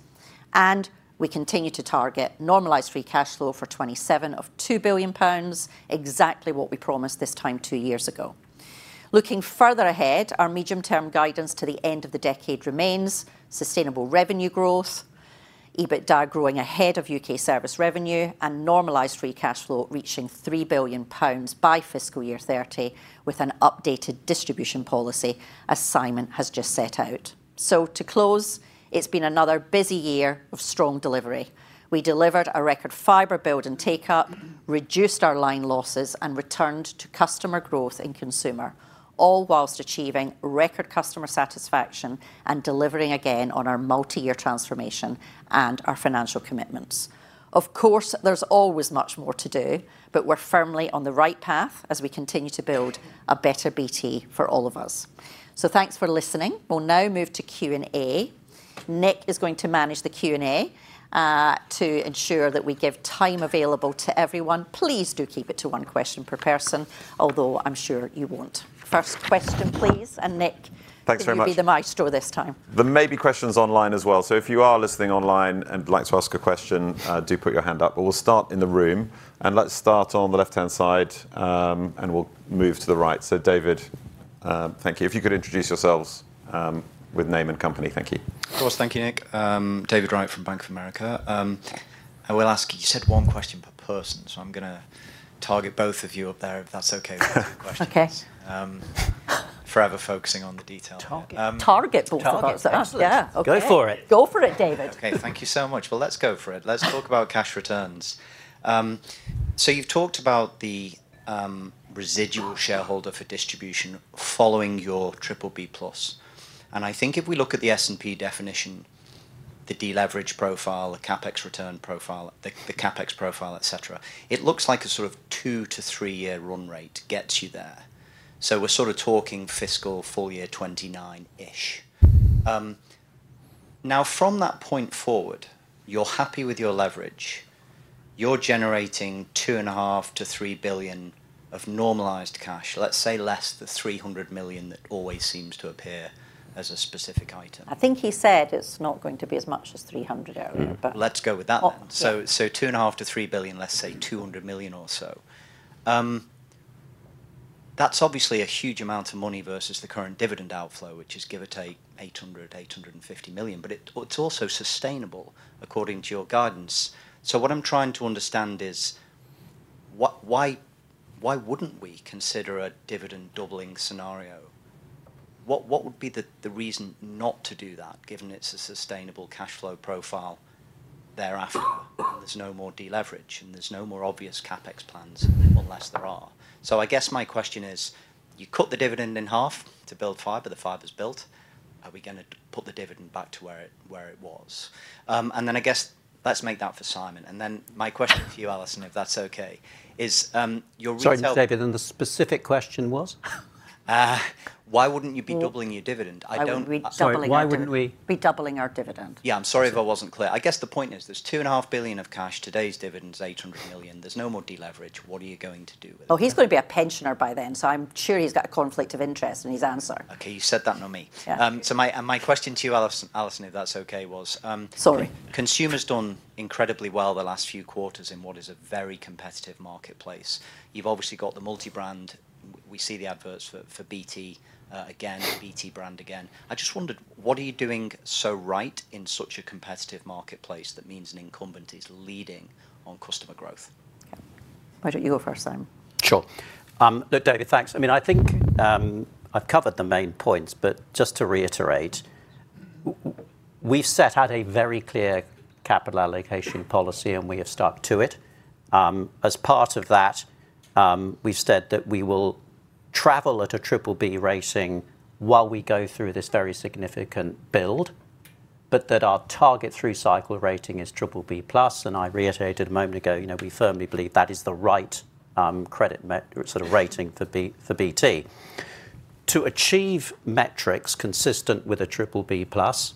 We continue to target normalized free cash flow for 2027 of 2 billion pounds, exactly what we promised this time two years ago. Looking further ahead, our medium-term guidance to the end of the decade remains sustainable revenue growth, EBITDA growing ahead of U.K. service revenue, and normalized free cash flow reaching 3 billion pounds by fiscal year 2030 with an updated distribution policy, as Simon has just set out. To close, it's been another busy year of strong delivery. We delivered a record fibre build and take-up, reduced our line losses, and returned to customer growth in consumer, all while achieving record customer satisfaction and delivering again on our multi-year transformation and our financial commitments. Of course, there's always much more to do, but we're firmly on the right path as we continue to build a better BT for all of us. Thanks for listening. We'll now move to Q&A. Nick is going to manage the Q&A. To ensure that we give time available to everyone, please do keep it to one question per person, although I'm sure you won't. First question, please. Thanks very much. Nick, you can be the maestro this time. There may be questions online as well. If you are listening online and would like to ask a question, do put your hand up. We'll start in the room, and let's start on the left-hand side, and we'll move to the right. David, thank you. If you could introduce yourselves, with name and company. Thank you. Of course. Thank you, Nick. David Wright from Bank of America. I will ask, you said one question per person, so I'm going to target both of you up there, if that's okay? Okay. For the questions. Forever focusing on the detail. Target. Target both of us. Target. Yeah. Excellent. Okay. Go for it. Go for it, David. Thank you so much. Let's go for it. Let's talk about cash returns. You've talked about the residual shareholder for distribution following your BBB+. I think if we look at the S&P definition, the deleverage profile, the CapEx return profile, the CapEx profile, et cetera, it looks like a sort of two- to three-year run rate gets you there. We're sort of talking fiscal full year 2029-ish. From that point forward, you're happy with your leverage, you're generating 2.5 billion-3 billion of normalized cash, let's say less the 300 million that always seems to appear as a specific item. I think he said it's not going to be as much as 300 million earlier. Let's go with that then. Yeah. So, 2.5 billion-3 billion, let's say 200 million or so. That's obviously a huge amount of money versus the current dividend outflow, which is give or take 800 million-850 million, but it's also sustainable according to your guidance. What I'm trying to understand is why wouldn't we consider a dividend doubling scenario? What would be the reason not to do that, given it's a sustainable cash flow profile thereafter? There's no more deleverage and there's no more obvious CapEx plans, unless there are. I guess my question is, you cut the dividend in half to build fibre. The fibre's built. Are we going to put the dividend back to where it was? I guess, let's make that for Simon, and then my question for you, Allison, if that's okay, is, your retail. Sorry, David, the specific question was? Why wouldn't you be doubling your dividend? Why wouldn't we be doubling. Sorry, why wouldn't we? Be doubling our dividend? Yeah, I'm sorry if I wasn't clear. I guess the point is, there's 2.5 billion of cash. Today's dividend's 800 million. There's no more deleverage. What are you going to do with it? He's going to be a pensioner by then, so I'm sure he's got a conflict of interest in his answer. Okay, you said that, not me. Yeah. My question to you, Allison, if that's okay. Sorry. Consumer's done incredibly well the last few quarters in what is a very competitive marketplace. You've obviously got the multi-brand. We see the adverts for BT again, BT brand again. I just wondered, what are you doing so right in such a competitive marketplace that means an incumbent is leading on customer growth? Why don't you go first, Simon? Sure. Look, David, thanks. I think I've covered the main points, but just to reiterate, we've set out a very clear capital allocation policy, and we have stuck to it. As part of that, we've said that we will travel at a BBB rating while we go through this very significant build, but that our target through-cycle rating is BBB+, and I reiterated a moment ago, we firmly believe that is the right credit rating for BT. To achieve metrics consistent with a BBB+,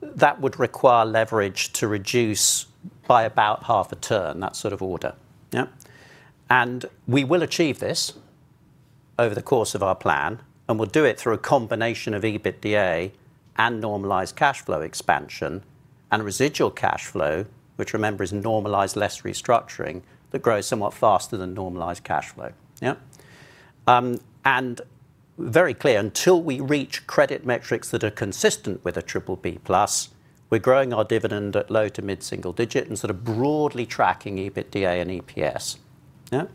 that would require leverage to reduce by about half a turn, that sort of order. We will achieve this over the course of our plan, and we'll do it through a combination of EBITDA and normalized cash flow expansion and residual cash flow, which remember, is normalized less restructuring that grows somewhat faster than normalized cash flow. Yeah. Very clear, until we reach credit metrics that are consistent with a BBB+, we're growing our dividend at low- to mid-single digit and broadly tracking EBITDA and EPS. Yeah.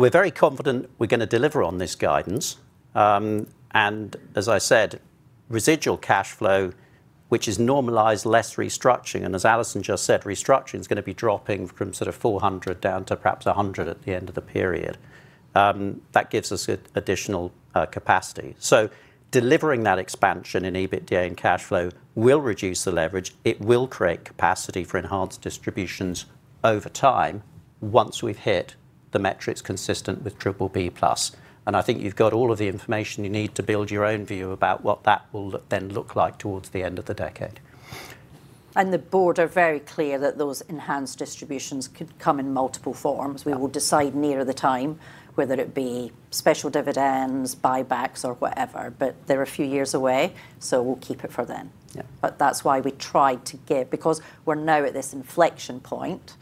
We're very confident we're going to deliver on this guidance. As I said, residual cash flow, which is normalized less restructuring, and as Allison just said, restructuring is going to be dropping from sort of 400 million down to perhaps 100 million at the end of the period. That gives us additional capacity. Delivering that expansion in EBITDA and cash flow will reduce the leverage. It will create capacity for enhanced distributions over time once we've hit the metrics consistent with BBB+. I think you've got all of the information you need to build your own view about what that will then look like towards the end of the decade. And the board are very clear that those enhanced distributions could come in multiple forms. Yeah. We will decide nearer the time whether it be special dividends, buybacks, or whatever. They're a few years away, so we'll keep it for then. Yeah. That's why we try to give, because we're now at this inflection point,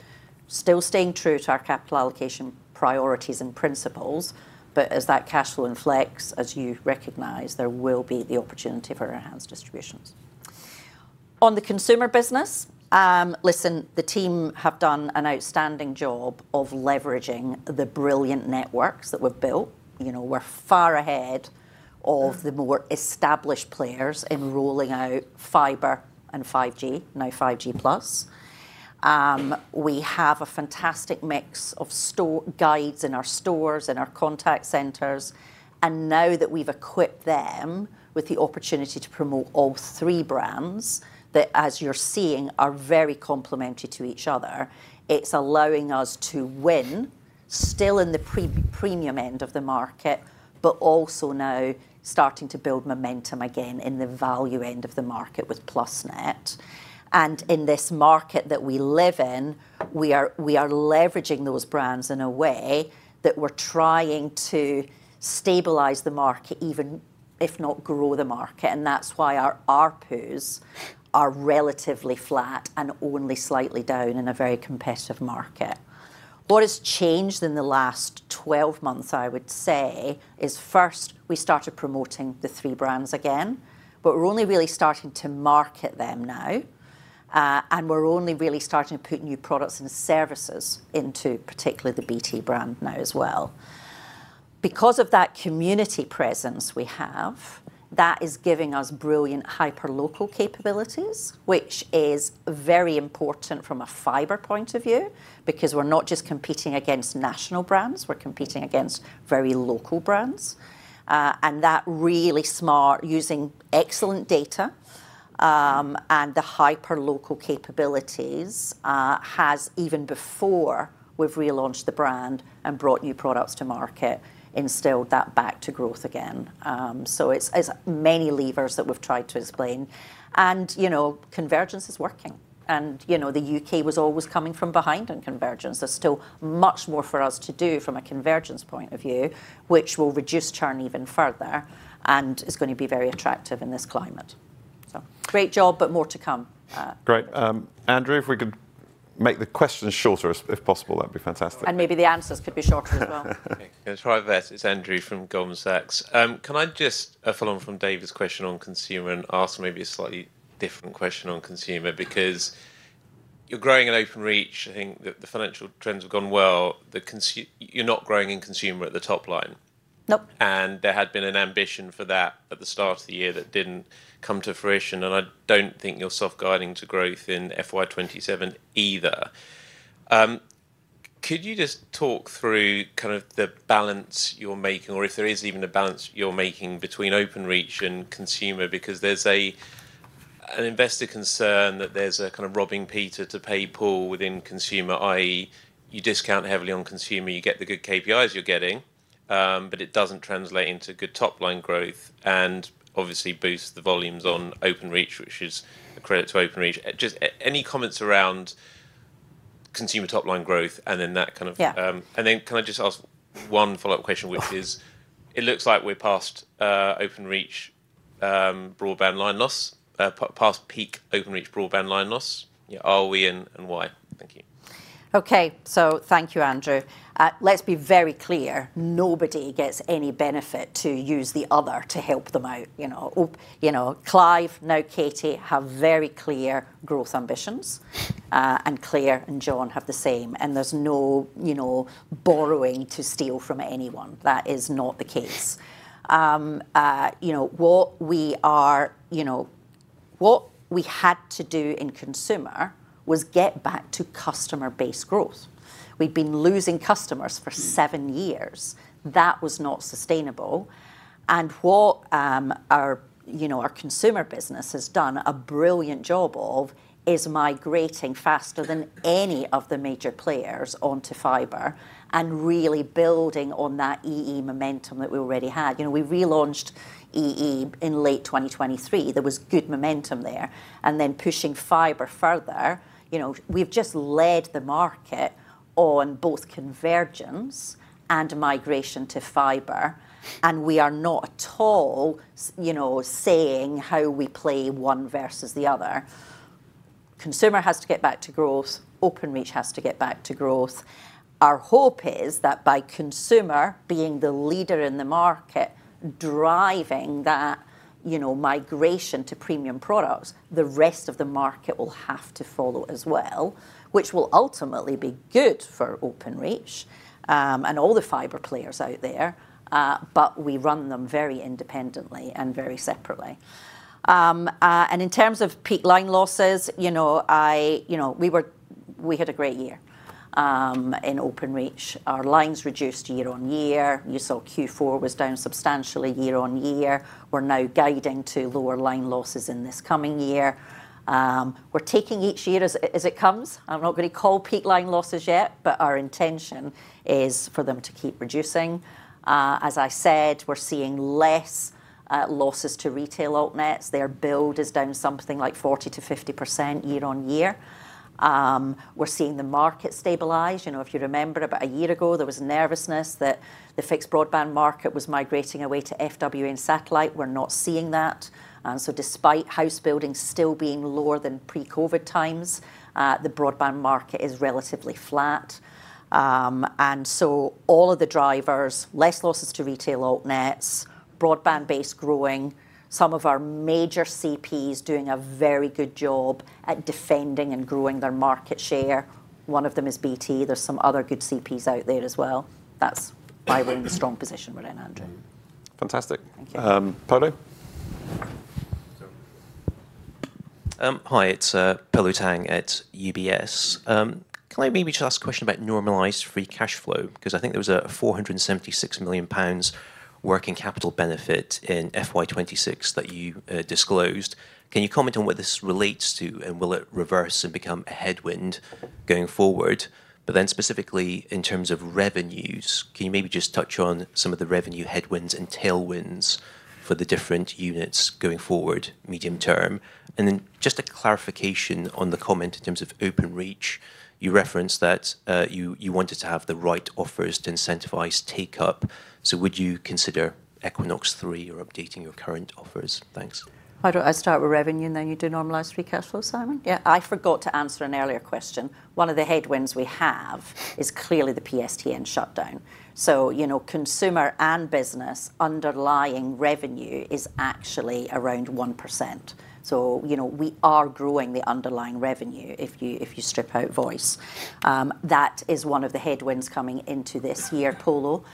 still staying true to our capital allocation priorities and principles, but as that cash flow inflects, as you recognize, there will be the opportunity for enhanced distributions. On the consumer business, listen, the team have done an outstanding job of leveraging the brilliant networks that we've built. We're far ahead of the more established players in rolling out fibre and 5G, now 5G+. We have a fantastic mix of guides in our stores and our contact centers. Now that we've equipped them with the opportunity to promote all three brands, that as you're seeing, are very complementary to each other, it's allowing us to win still in the premium end of the market, but also now starting to build momentum again in the value end of the market with Plusnet. In this market that we live in, we are leveraging those brands in a way that we're trying to stabilize the market, even if not grow the market, and that's why our ARPUs are relatively flat and only slightly down in a very competitive market. What has changed in the last 12 months, I would say, is first we started promoting the three brands again, but we're only really starting to market them now. We're only really starting to put new products and services into particularly the BT brand now as well. Because of that community presence we have, that is giving us brilliant hyper-local capabilities, which is very important from a fibre point of view, because we're not just competing against national brands, we're competing against very local brands. That really smart, using excellent data, and the hyper-local capabilities, has even before we've relaunched the brand and brought new products to market, instilled that back to growth again. It's many levers that we've tried to explain. And you know, convergence is working. The U.K. was always coming from behind on convergence. There's still much more for us to do from a convergence point of view, which will reduce churn even further and is going to be very attractive in this climate. Great job, but more to come. Great. Andrew, if we could make the questions shorter if possible, that'd be fantastic. Maybe the answers could be shorter as well. Okay, I'll try my best. It's Andrew from Goldman Sachs. Can I just follow on from David's question on consumer and ask maybe a slightly different question on consumer? Because you're growing in Openreach. I think that the financial trends have gone well. You're not growing in consumer at the top line. Nope. There had been an ambition for that at the start of the year that didn't come to fruition, and I don't think you're self-guiding to growth in FY 2027 either. Could you just talk through kind of the balance you're making or if there is even a balance you're making between Openreach and consumer? Because there's an investor concern that there's a kind of robbing Peter to pay Paul within consumer, i.e. you discount heavily on consumer, you get the good KPIs you're getting, but it doesn't translate into good top-line growth and obviously, boosts the volumes on Openreach, which is a credit to Openreach. Just any comments around consumer top-line growth and then that kind of. Yeah. Then, can I just ask one follow-up question, which is, it looks like we're past Openreach broadband line loss, past peak Openreach broadband line loss. Are we, and why? Thank you. Thank you, Andrew. Let's be very clear. Nobody gets any benefit to use the other to help them out. Clive, now Katie, have very clear growth ambitions. Claire and John have the same, and there's no borrowing to steal from anyone, that is not the case. What we had to do in consumer was get back to customer-based growth. We'd been losing customers for seven years. That was not sustainable. What our consumer business has done a brilliant job of is migrating faster than any of the major players onto fibre and really building on that EE momentum that we already had. We relaunched EE in late 2023. There was good momentum there. Then pushing fibre further. We've just led the market on both convergence and migration to fibre. We are not at all saying how we play one versus the other. Consumer has to get back to growth. Openreach has to get back to growth. Our hope is that by consumer being the leader in the market, driving that migration to premium products, the rest of the market will have to follow as well, which will ultimately be good for Openreach, and all the fibre players out there. But we run them very independently and very separately. In terms of peak line losses, we had a great year in Openreach. Our lines reduced year-on-year. You saw Q4 was down substantially year-on-year. We're now guiding to lower line losses in this coming year. We're taking each year as it comes. I'm not going to call peak line losses yet, but our intention is for them to keep reducing. As I said, we're seeing less losses to retail altnets. Their build is down something like 40%-50% year-on-year. We're seeing the market stabilize. If you remember, about a year ago, there was nervousness that the fixed broadband market was migrating away to FWA and satellite. We're not seeing that. Despite house building still being lower than pre-COVID times, the broadband market is relatively flat. All of the drivers, less losses to retail altnets, broadband base growing, some of our major CPs doing a very good job at defending and growing their market share, one of them is BT, there's some other good CPs out there as well, that's why we're in a strong position, Andrew. Fantastic. Thank you. Polo? Hi, it's Polo Tang at UBS. Can I maybe just ask a question about normalized free cash flow? I think there was a 476 million pounds working capital benefit in FY 2026 that you disclosed. Can you comment on what this relates to, and will it reverse and become a headwind going forward? Specifically, in terms of revenues, can you maybe just touch on some of the revenue headwinds and tailwinds for the different units going forward medium term? And just a clarification on the comment in terms of Openreach. You referenced that you wanted to have the right offers to incentivize take up, so would you consider Equinox 3 or updating your current offers? Thanks. Why don't I start with revenue, and then you do normalized free cash flow, Simon? Yeah. I forgot to answer an earlier question. One of the headwinds we have is clearly the PSTN shutdown. Consumer and business underlying revenue is actually around 1%. We are growing the underlying revenue, if you strip out voice. That is one of the headwinds coming into this year, Polo.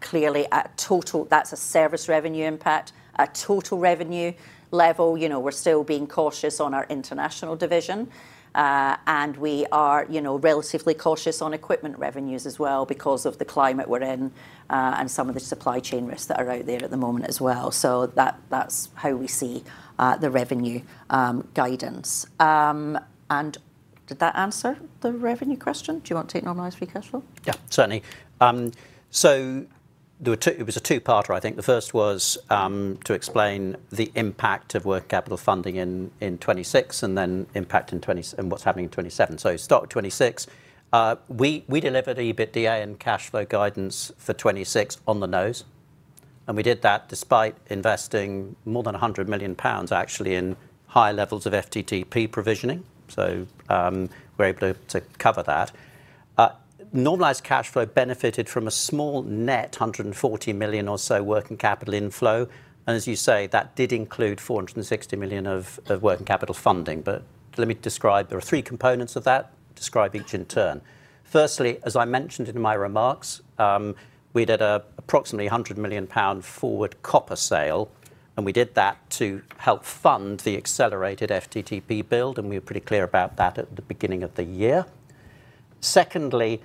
Clearly at total, that's a service revenue impact. At total revenue level, we're still being cautious on our international division. We are relatively cautious on equipment revenues as well because of the climate we're in, and some of the supply chain risks that are out there at the moment as well. That's how we see the revenue guidance. Did that answer the revenue question? Do you want to take normalized free cash flow? Yeah, certainly. It was a two-parter, I think. The first was to explain the impact of working capital funding in 2026 and then impact in what's happening in 2027. Start with 2026. We delivered EBITDA and cash flow guidance for 2026 on the nose, and we did that despite investing more than 100 million pounds actually in high levels of FTTP provisioning, so we are able to cover that. Normalized cash flow benefited from a small net, 140 million or so working capital inflow. As you say, that did include 460 million of working capital funding. Let me describe, there are three components of that. Describe each in turn. Firstly, as I mentioned in my remarks, we did approximately 100 million pound forward copper sale, and we did that to help fund the accelerated FTTP build, and we were pretty clear about that at the beginning of the year. Secondly,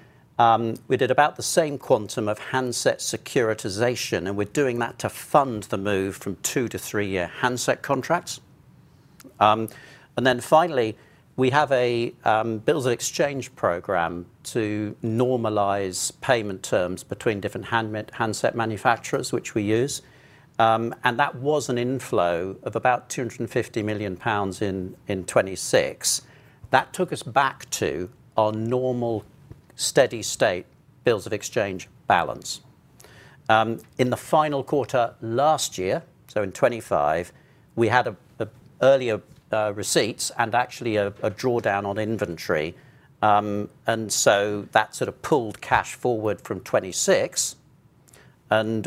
we did about the same quantum of handset securitization. We're doing that to fund the move from two- to three-year handset contracts. Finally, we have a bills of exchange program to normalize payment terms between different handset manufacturers, which we use. That was an inflow of about 250 million pounds in 2026. That took us back to our normal steady state bills of exchange balance. In the final quarter last year, so in 2025, we had earlier receipts and actually a drawdown on inventory. That sort of pulled cash forward from 2026.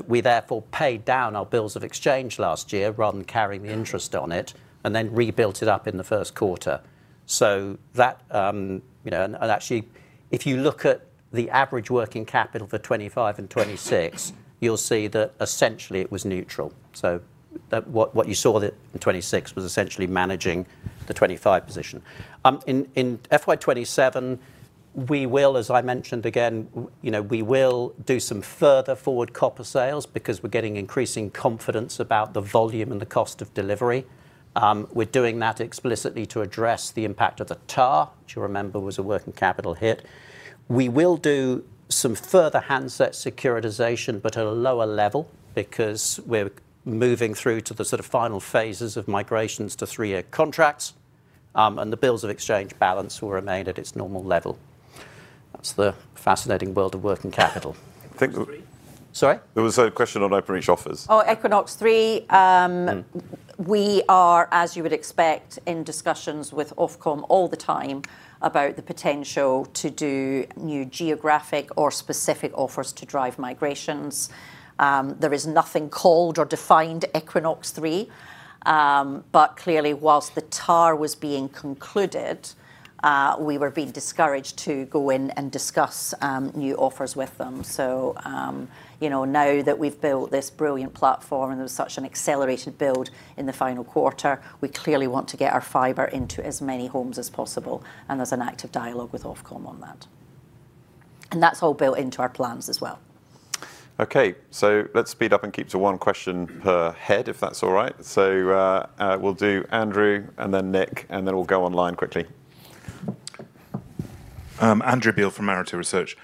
We therefore paid down our bills of exchange last year rather than carrying the interest on it, then rebuilt it up in the first quarter. Actually, if you look at the average working capital for 2025 and 2026, you'll see that essentially, it was neutral. What you saw in 2026 was essentially managing the 2025 position. In FY 2027, we will, as I mentioned again, we will do some further forward copper sales because we're getting increasing confidence about the volume and the cost of delivery. We're doing that explicitly to address the impact of the TAR, which you remember was a working capital hit. We will do some further handset securitization, but at a lower level because we're moving through to the sort of final phases of migrations to three-year contracts. The bills of exchange balance will remain at its normal level. That's the fascinating world of working capital. I think. Sorry? There was a question on Openreach offers. Equinox 3. We are, as you would expect, in discussions with Ofcom all the time about the potential to do new geographic or specific offers to drive migrations. There is nothing called or defined Equinox 3. Clearly, whilst the TAR was being concluded, we were being discouraged to go in and discuss new offers with them. Now that we've built this brilliant platform and it was such an accelerated build in the final quarter, we clearly want to get our fibre into as many homes as possible, and there's an active dialogue with Ofcom on that. That's all built into our plans as well. Okay, so, let's speed up and keep to one question per head, if that's all right. We'll do Andrew, and then Nick, and then we'll go online quickly. Andrew Beale from Arete Research.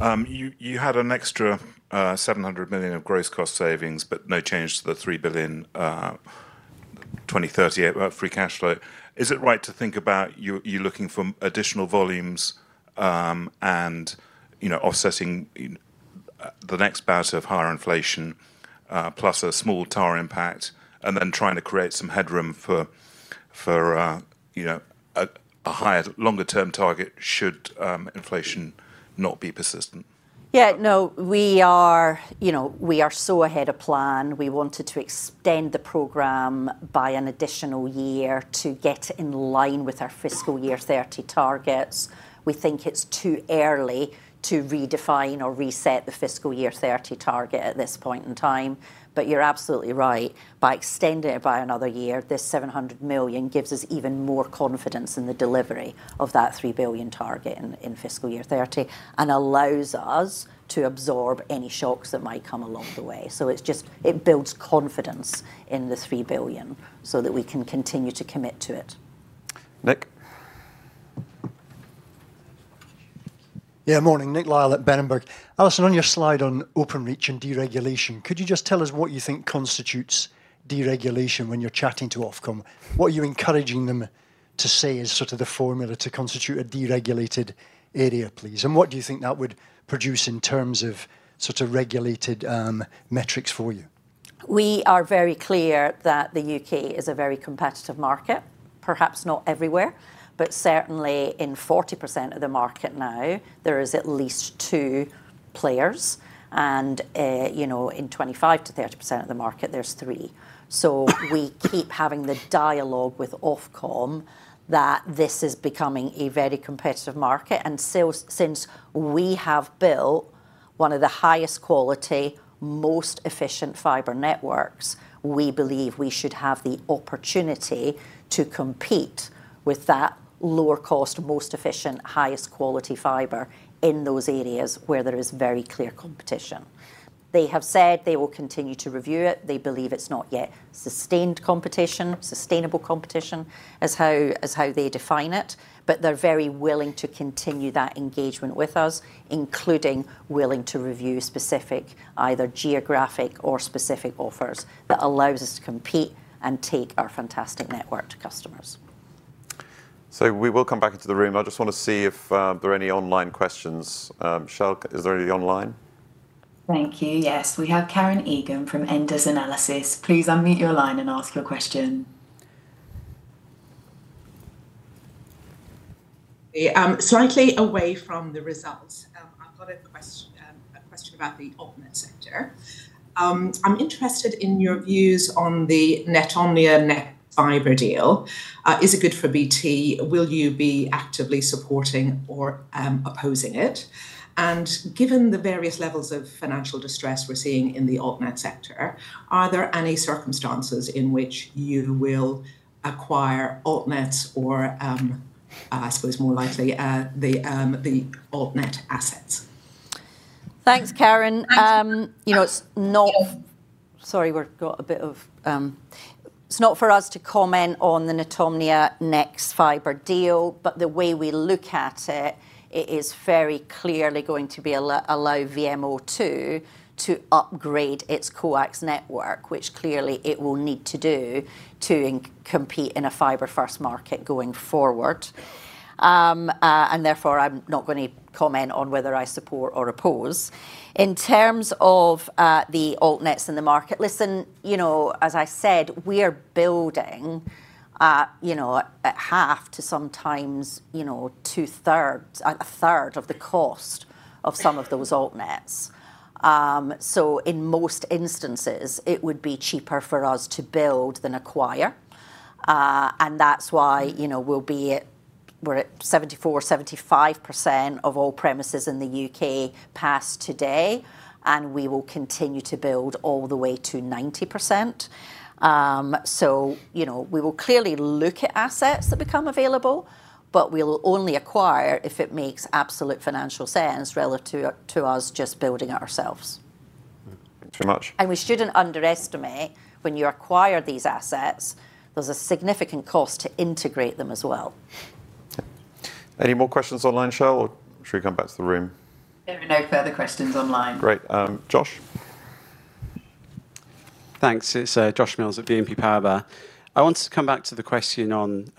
You had an extra 700 million of gross cost savings, but no change to the 3 billion 2030 free cash flow. Is it right to think about you looking from additional volumes and offsetting the next bout of higher inflation, plus a small TAR impact, and then trying to create some headroom for a higher longer-term target, should inflation not be persistent? Yeah, no. We are, we are so ahead of plan. We wanted to extend the program by an additional year to get in line with our fiscal year 2030 targets. We think it is too early to redefine or reset the fiscal year 2030 target at this point in time. But you are absolutely right. By extending it by another year, this 700 million gives us even more confidence in the delivery of that 3 billion target in fiscal year 2030 and allows us to absorb any shocks that might come along the way. It builds confidence in the 3 billion so that we can continue to commit to it. Nick? Yeah, morning. Nick Lyall at Berenberg. Allison, on your slide on Openreach and deregulation, could you just tell us what you think constitutes deregulation when you're chatting to Ofcom? What are you encouraging them to say is sort of the formula to constitute a deregulated area, please? What do you think that would produce in terms of regulated metrics for you? We are very clear that the U.K. is a very competitive market. Perhaps not everywhere, but certainly in 40% of the market now, there is at least two players. In 25%-30% of the market, there's three. We keep having the dialogue with Ofcom that this is becoming a very competitive market. Since we have built one of the highest quality, most efficient fibre networks, we believe we should have the opportunity to compete with that lower cost, most efficient, highest quality fibre in those areas where there is very clear competition. They have said they will continue to review it. They believe it's not yet sustained competition, sustainable competition, is how they define it, but they're very willing to continue that engagement with us, including willing to review specific either geographic or specific offers that allows us to compete and take our fantastic network to customers. We will come back into the room. I just want to see if there are any online questions. Michelle, is there any online? Thank you. Yes. We have Karen Egan from Enders Analysis. Please unmute your line and ask your question. Slightly away from the results, I've got a question about the altnet sector. I'm interested in your views on the Netomnia-nexfibre deal. Is it good for BT? Will you be actively supporting or opposing it? And given the various levels of financial distress we're seeing in the altnet sector, are there any circumstances in which you will acquire altnets or, I suppose more likely, the altnet assets? Thanks, Karen. It's not for us to comment on the Netomnia-nexfibre deal, but the way we look at it is very clearly going to allow VMO2 to upgrade its coax network, which clearly it will need to do to compete in a fibre-first market going forward. Therefore, I'm not going to comment on whether I support or oppose. In terms of the altnets in the market, listen, as I said, we are building at 1/2 to sometimes 2/3, 1/3 of the cost of some of those altnets. In most instances, it would be cheaper for us to build than acquire, and that's why we're at 74%, 75% of all premises in the U.K. passed today, and we will continue to build all the way to 90%. We will clearly look at assets that become available, but we'll only acquire if it makes absolute financial sense relative to us just building it ourselves. Thank you very much. We shouldn't underestimate when you acquire these assets, there's a significant cost to integrate them as well. Any more questions online, Michelle, or should we come back to the room? There are no further questions online. Great. Josh? Thanks. It's Joshua Mills at BNP Paribas. I wanted to come back to the question on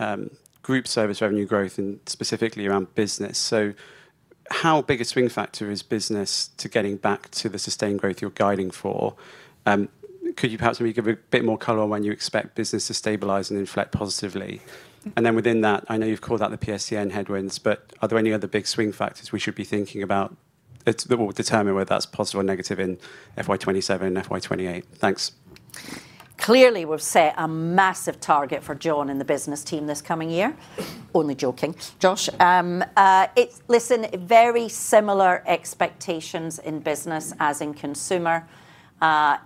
group service revenue growth and specifically around business. How big a swing factor is business to getting back to the sustained growth you're guiding for? Could you perhaps maybe give a bit more color on when you expect business to stabilize and inflect positively? Within that, I know you've called out the PSTN headwinds, but are there any other big swing factors we should be thinking about that will determine whether that's positive or negative in FY 2027 and FY 2028? Thanks. Clearly, we've set a massive target for John and the business team this coming year. Only joking, Josh. Listen, very similar expectations in business as in consumer,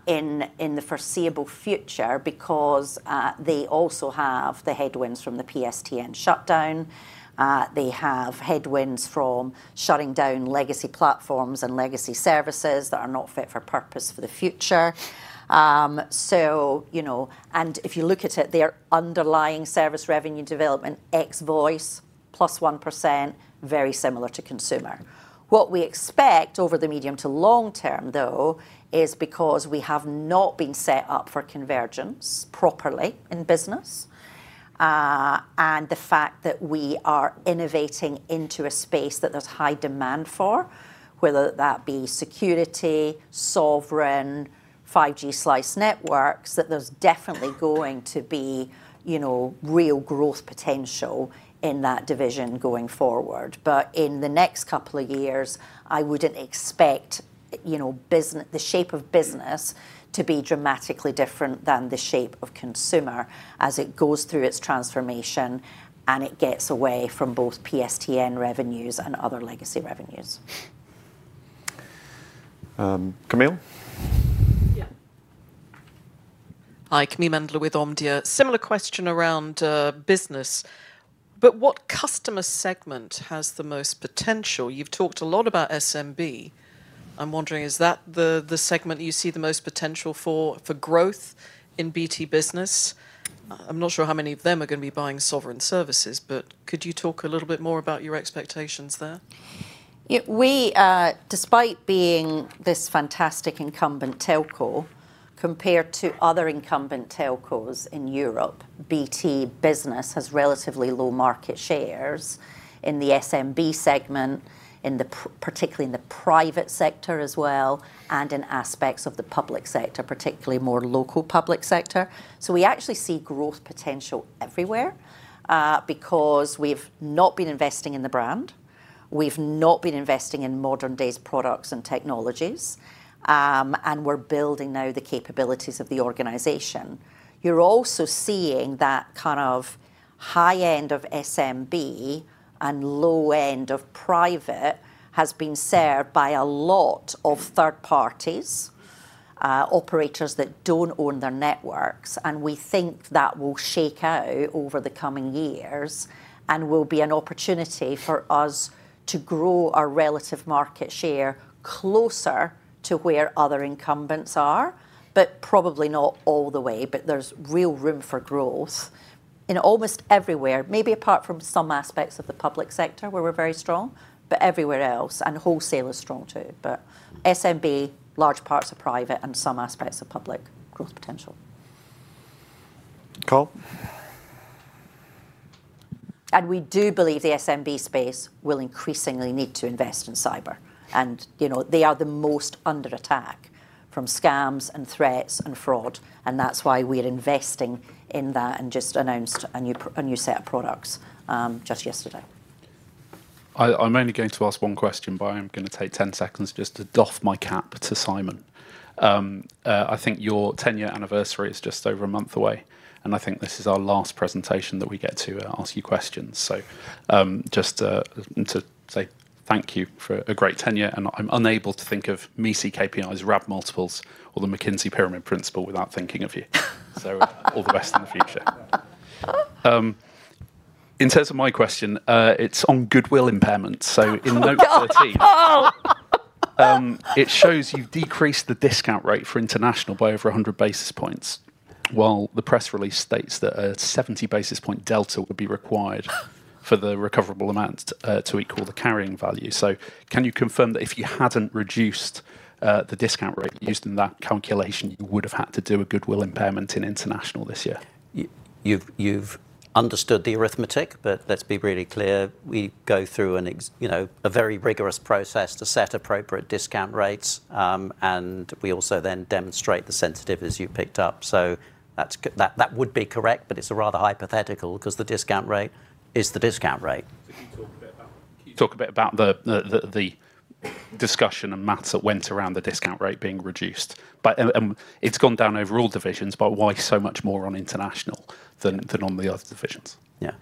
in the foreseeable future because they also have the headwinds from the PSTN shutdown. They have headwinds from shutting down legacy platforms and legacy services that are not fit for purpose for the future. If you look at it, their underlying service revenue development ex-voice, +1%, very similar to consumer. What we expect over the medium to long term, though, is because we have not been set up for convergence properly in business, and the fact that we are innovating into a space that there's high demand for, whether that be security, sovereign, 5G slice networks, that there's definitely going to be real growth potential in that division going forward. In the next couple of years, I wouldn't expect the shape of business to be dramatically different than the shape of consumer as it goes through its transformation, and it gets away from both PSTN revenues and other legacy revenues. Camille? Yeah. Hi, Camille Mendler with Omdia. Similar question around business, but what customer segment has the most potential? You've talked a lot about SMB. I'm wondering, is that the segment that you see the most potential for growth in BT Business? I'm not sure how many of them are going to be buying sovereign services, but could you talk a little bit more about your expectations there? Yeah. Despite being this fantastic incumbent telco, compared to other incumbent telcos in Europe, BT Business has relatively low market shares in the SMB segment, particularly in the private sector as well, and in aspects of the public sector, particularly more local public sector. We actually see growth potential everywhere, because we've not been investing in the brand, we've not been investing in modern-day products and technologies, and we're building now the capabilities of the organization. You're also seeing that kind of high end of SMB and low end of private has been served by a lot of third parties, operators that don't own their networks. We think that will shake out over the coming years and will be an opportunity for us to grow our relative market share closer to where other incumbents are, but probably not all the way. There's real room for growth in almost everywhere, maybe apart from some aspects of the public sector where we're very strong, but everywhere else, and wholesale is strong, too. But SMB, large parts of private, and some aspects of public growth potential. Carl? And we do believe the SMB space will increasingly need to invest in cyber. They are the most under attack from scams and threats and fraud, and that's why we're investing in that and just announced a new set of products just yesterday. I'm only going to ask one question, but I am going to take 10 seconds just to doff my cap to Simon. I think your 10-year anniversary is just over a month away, and I think this is our last presentation that we get to ask you questions. Just to say thank you for a great tenure, and I'm unable to think of MECE KPIs, RAB multiples, or the McKinsey pyramid principle without thinking of you. All the best in the future. In terms of my question, it's on goodwill impairment. In note 13. Oh, no. It shows you've decreased the discount rate for international by over 100 basis points, while the press release states that a 70-basis-point delta would be required for the recoverable amount to equal the carrying value. Can you confirm that if you hadn't reduced the discount rate used in that calculation, you would've had to do a goodwill impairment in international this year? You've understood the arithmetic, but let's be really clear. We go through a very rigorous process to set appropriate discount rates, and we also then demonstrate the sensitivity, as you picked up. That would be correct, but it's rather hypothetical, because the discount rate is the discount rate. Could you talk a bit about the discussion and math that went around the discount rate being reduced? It's gone down over all divisions, but why so much more on international than on the other divisions? Yeah.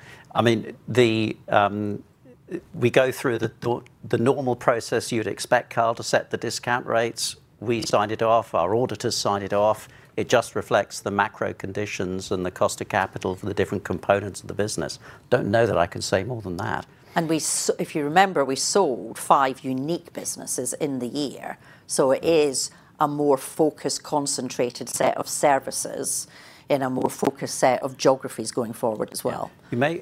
We go through the normal process you'd expect, Carl, to set the discount rates. We signed it off. Our auditors sign it off. It just reflects the macro conditions and the cost of capital for the different components of the business. Do not know that I can say more than that. If you remember, we sold five unique businesses in the year. It is a more focused, concentrated set of services in a more focused set of geographies going forward as well. Yeah.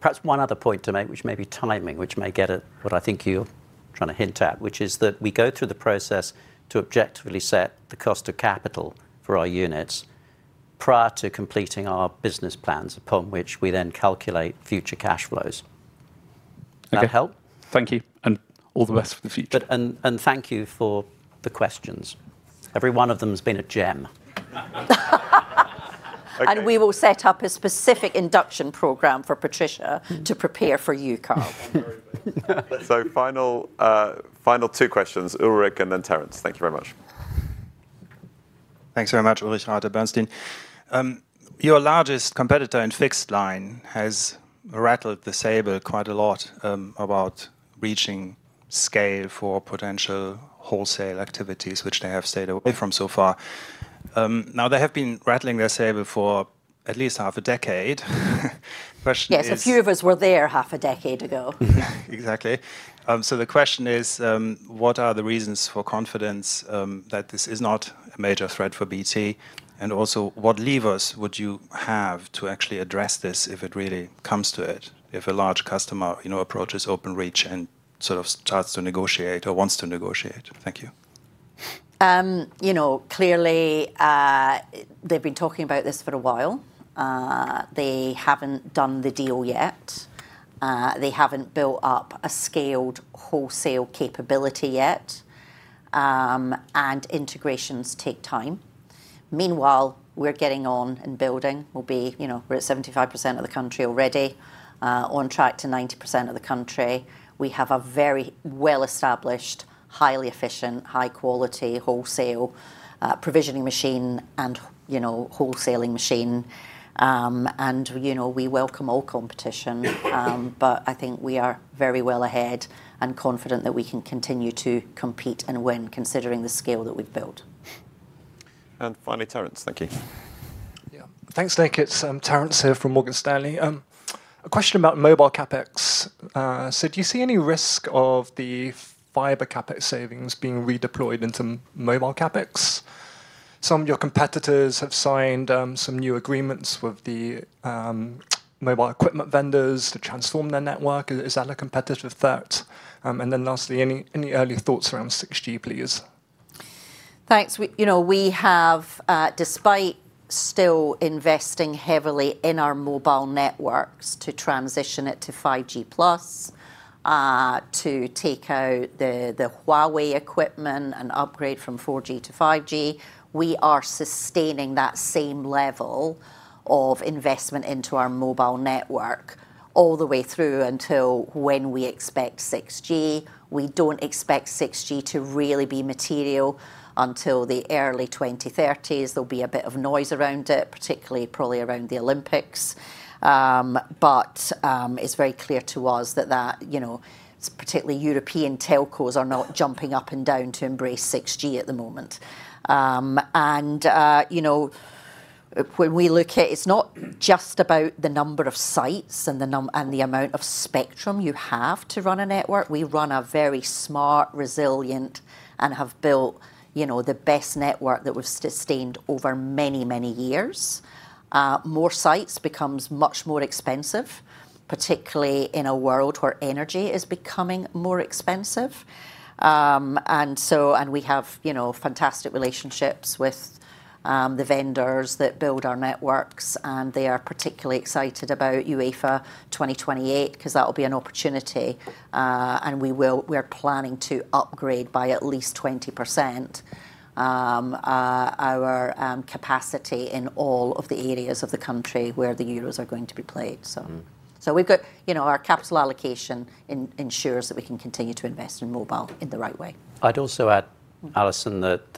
Perhaps one other point to make, which may be timing, which may get at what I think trying to hint at, which is that we go through the process to objectively set the cost of capital for our units prior to completing our business plans, upon which we then calculate future cash flows. Okay. That help? Thank you, and all the best for the future. Thank you for the questions. Every one of them has been a gem. We will set up a specific induction program for Patricia to prepare for you, Carl. Final, two questions. Ulrich and then Terence. Thank you very much. Thanks very much. Ulrich Rathe, Bernstein. Your largest competitor in fixed line has rattled the saber quite a lot about reaching scale for potential wholesale activities, which they have stayed away from so far. Now, they have been rattling their saber for at least half a decade. Question is. Yes, a few of us were there half a decade ago. Exactly. The question is, what are the reasons for confidence that this is not a major threat for BT? Also, what levers would you have to actually address this if it really comes to it, if a large customer approaches Openreach and starts to negotiate or wants to negotiate? Thank you. Clearly, they've been talking about this for a while. They haven't done the deal yet. They haven't built up a scaled wholesale capability yet, and integrations take time. Meanwhile, we're getting on and building. We're at 75% of the country already, on track to 90% of the country. We have a very well-established, highly efficient, high quality wholesale provisioning machine and wholesaling machine. We welcome all competition, but I think we are very well ahead and confident that we can continue to compete and win considering the scale that we've built. Finally, Terence. Thank you. Yeah. Thanks. It's Terence Tsui from Morgan Stanley. A question about mobile CapEx. Do you see any risk of the fibre CapEx savings being redeployed into mobile CapEx? Some of your competitors have signed some new agreements with the mobile equipment vendors to transform their network. Is that a competitive threat? Lastly, any early thoughts around 6G, please? Thanks. We have, despite still investing heavily in our mobile networks to transition it to 5G+, to take out the Huawei equipment and upgrade from 4G to 5G, we are sustaining that same level of investment into our mobile network all the way through until when we expect 6G. We don't expect 6G to really be material until the early 2030s. There'll be a bit of noise around it, particularly, probably around the Olympics, but it's very clear to us that particularly European telcos are not jumping up and down to embrace 6G at the moment. When we look at, it's not just about the number of sites and the amount of spectrum you have to run a network. We run a very smart, resilient, and have built the best network that we've sustained over many, many years. More sites becomes much more expensive, particularly in a world where energy is becoming more expensive. We have fantastic relationships with the vendors that build our networks, and they are particularly excited about UEFA 2028 because that will be an opportunity. We are planning to upgrade by at least 20% our capacity in all of the areas of the country where the Euros are going to be played. Our capital allocation ensures that we can continue to invest in mobile in the right way. I'd also add, Allison, that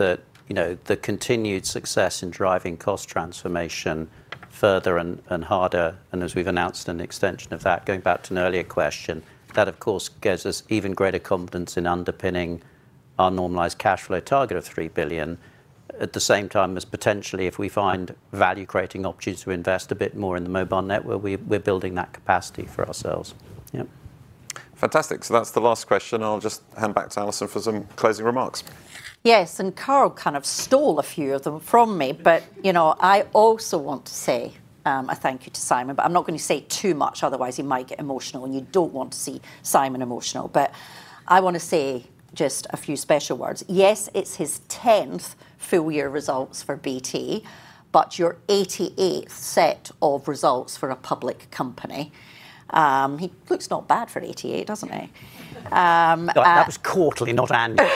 the continued success in driving cost transformation further and harder, and as we've announced an extension of that, going back to an earlier question, that of course gives us even greater confidence in underpinning our normalized cash flow target of 3 billion. At the same time as potentially if we find value-creating opportunities to invest a bit more in the mobile network, we're building that capacity for ourselves. Yep. Fantastic. That's the last question. I'll just hand back to Allison for some closing remarks. Yes. Carl kind of stole a few of them from me, but I also want to say a thank you to Simon, but I’m not going to say too much, otherwise he might get emotional, and you don’t want to see Simon emotional. But I want to say just a few special words. Yes, it’s his 10th full-year results for BT, but your 88th set of results for a public company. He looks not bad for 88, doesn’t he? That was quarterly, not annual.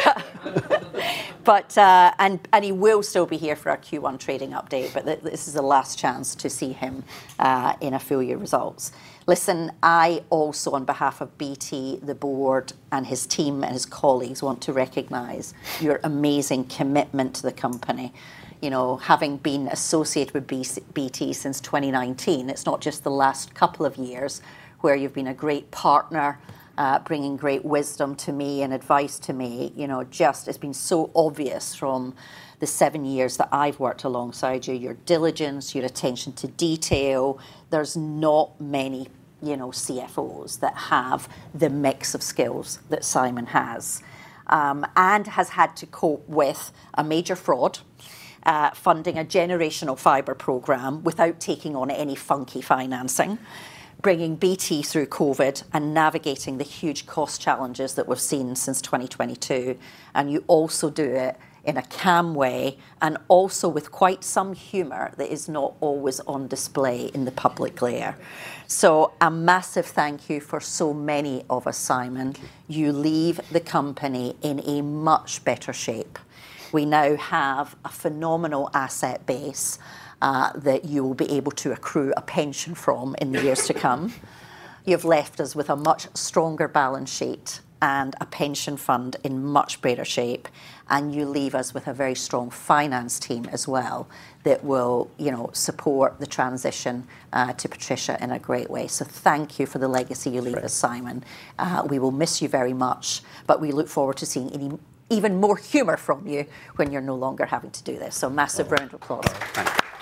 He will still be here for our Q1 trading update, but this is the last chance to see him in a full-year results. Listen, I also, on behalf of BT, the board, and his team and his colleagues, want to recognize your amazing commitment to the company. Having been associated with BT since 2019, it's not just the last couple of years where you've been a great partner, bringing great wisdom to me and advice to me. It's been so obvious from the seven years that I've worked alongside you, your diligence, your attention to detail. There's not many CFOs that have the mix of skills that Simon has, and has had to cope with a major fraud, funding a generational fibre program without taking on any funky financing, bringing BT through COVID, and navigating the huge cost challenges that we've seen since 2022. You also do it in a calm way and also with quite some humor that is not always on display in the public layer. A massive thank you for so many of us, Simon. You leave the company in a much better shape. We now have a phenomenal asset base, that you will be able to accrue a pension from in the years to come. You've left us with a much stronger balance sheet and a pension fund in much better shape. You leave us with a very strong finance team as well that will support the transition to Patricia in a great way. Thank you for the legacy you leave us, Simon. Great. We will miss you very much, but we look forward to seeing even more humor from you when you're no longer having to do this. Massive round of applause. Thank you. Great.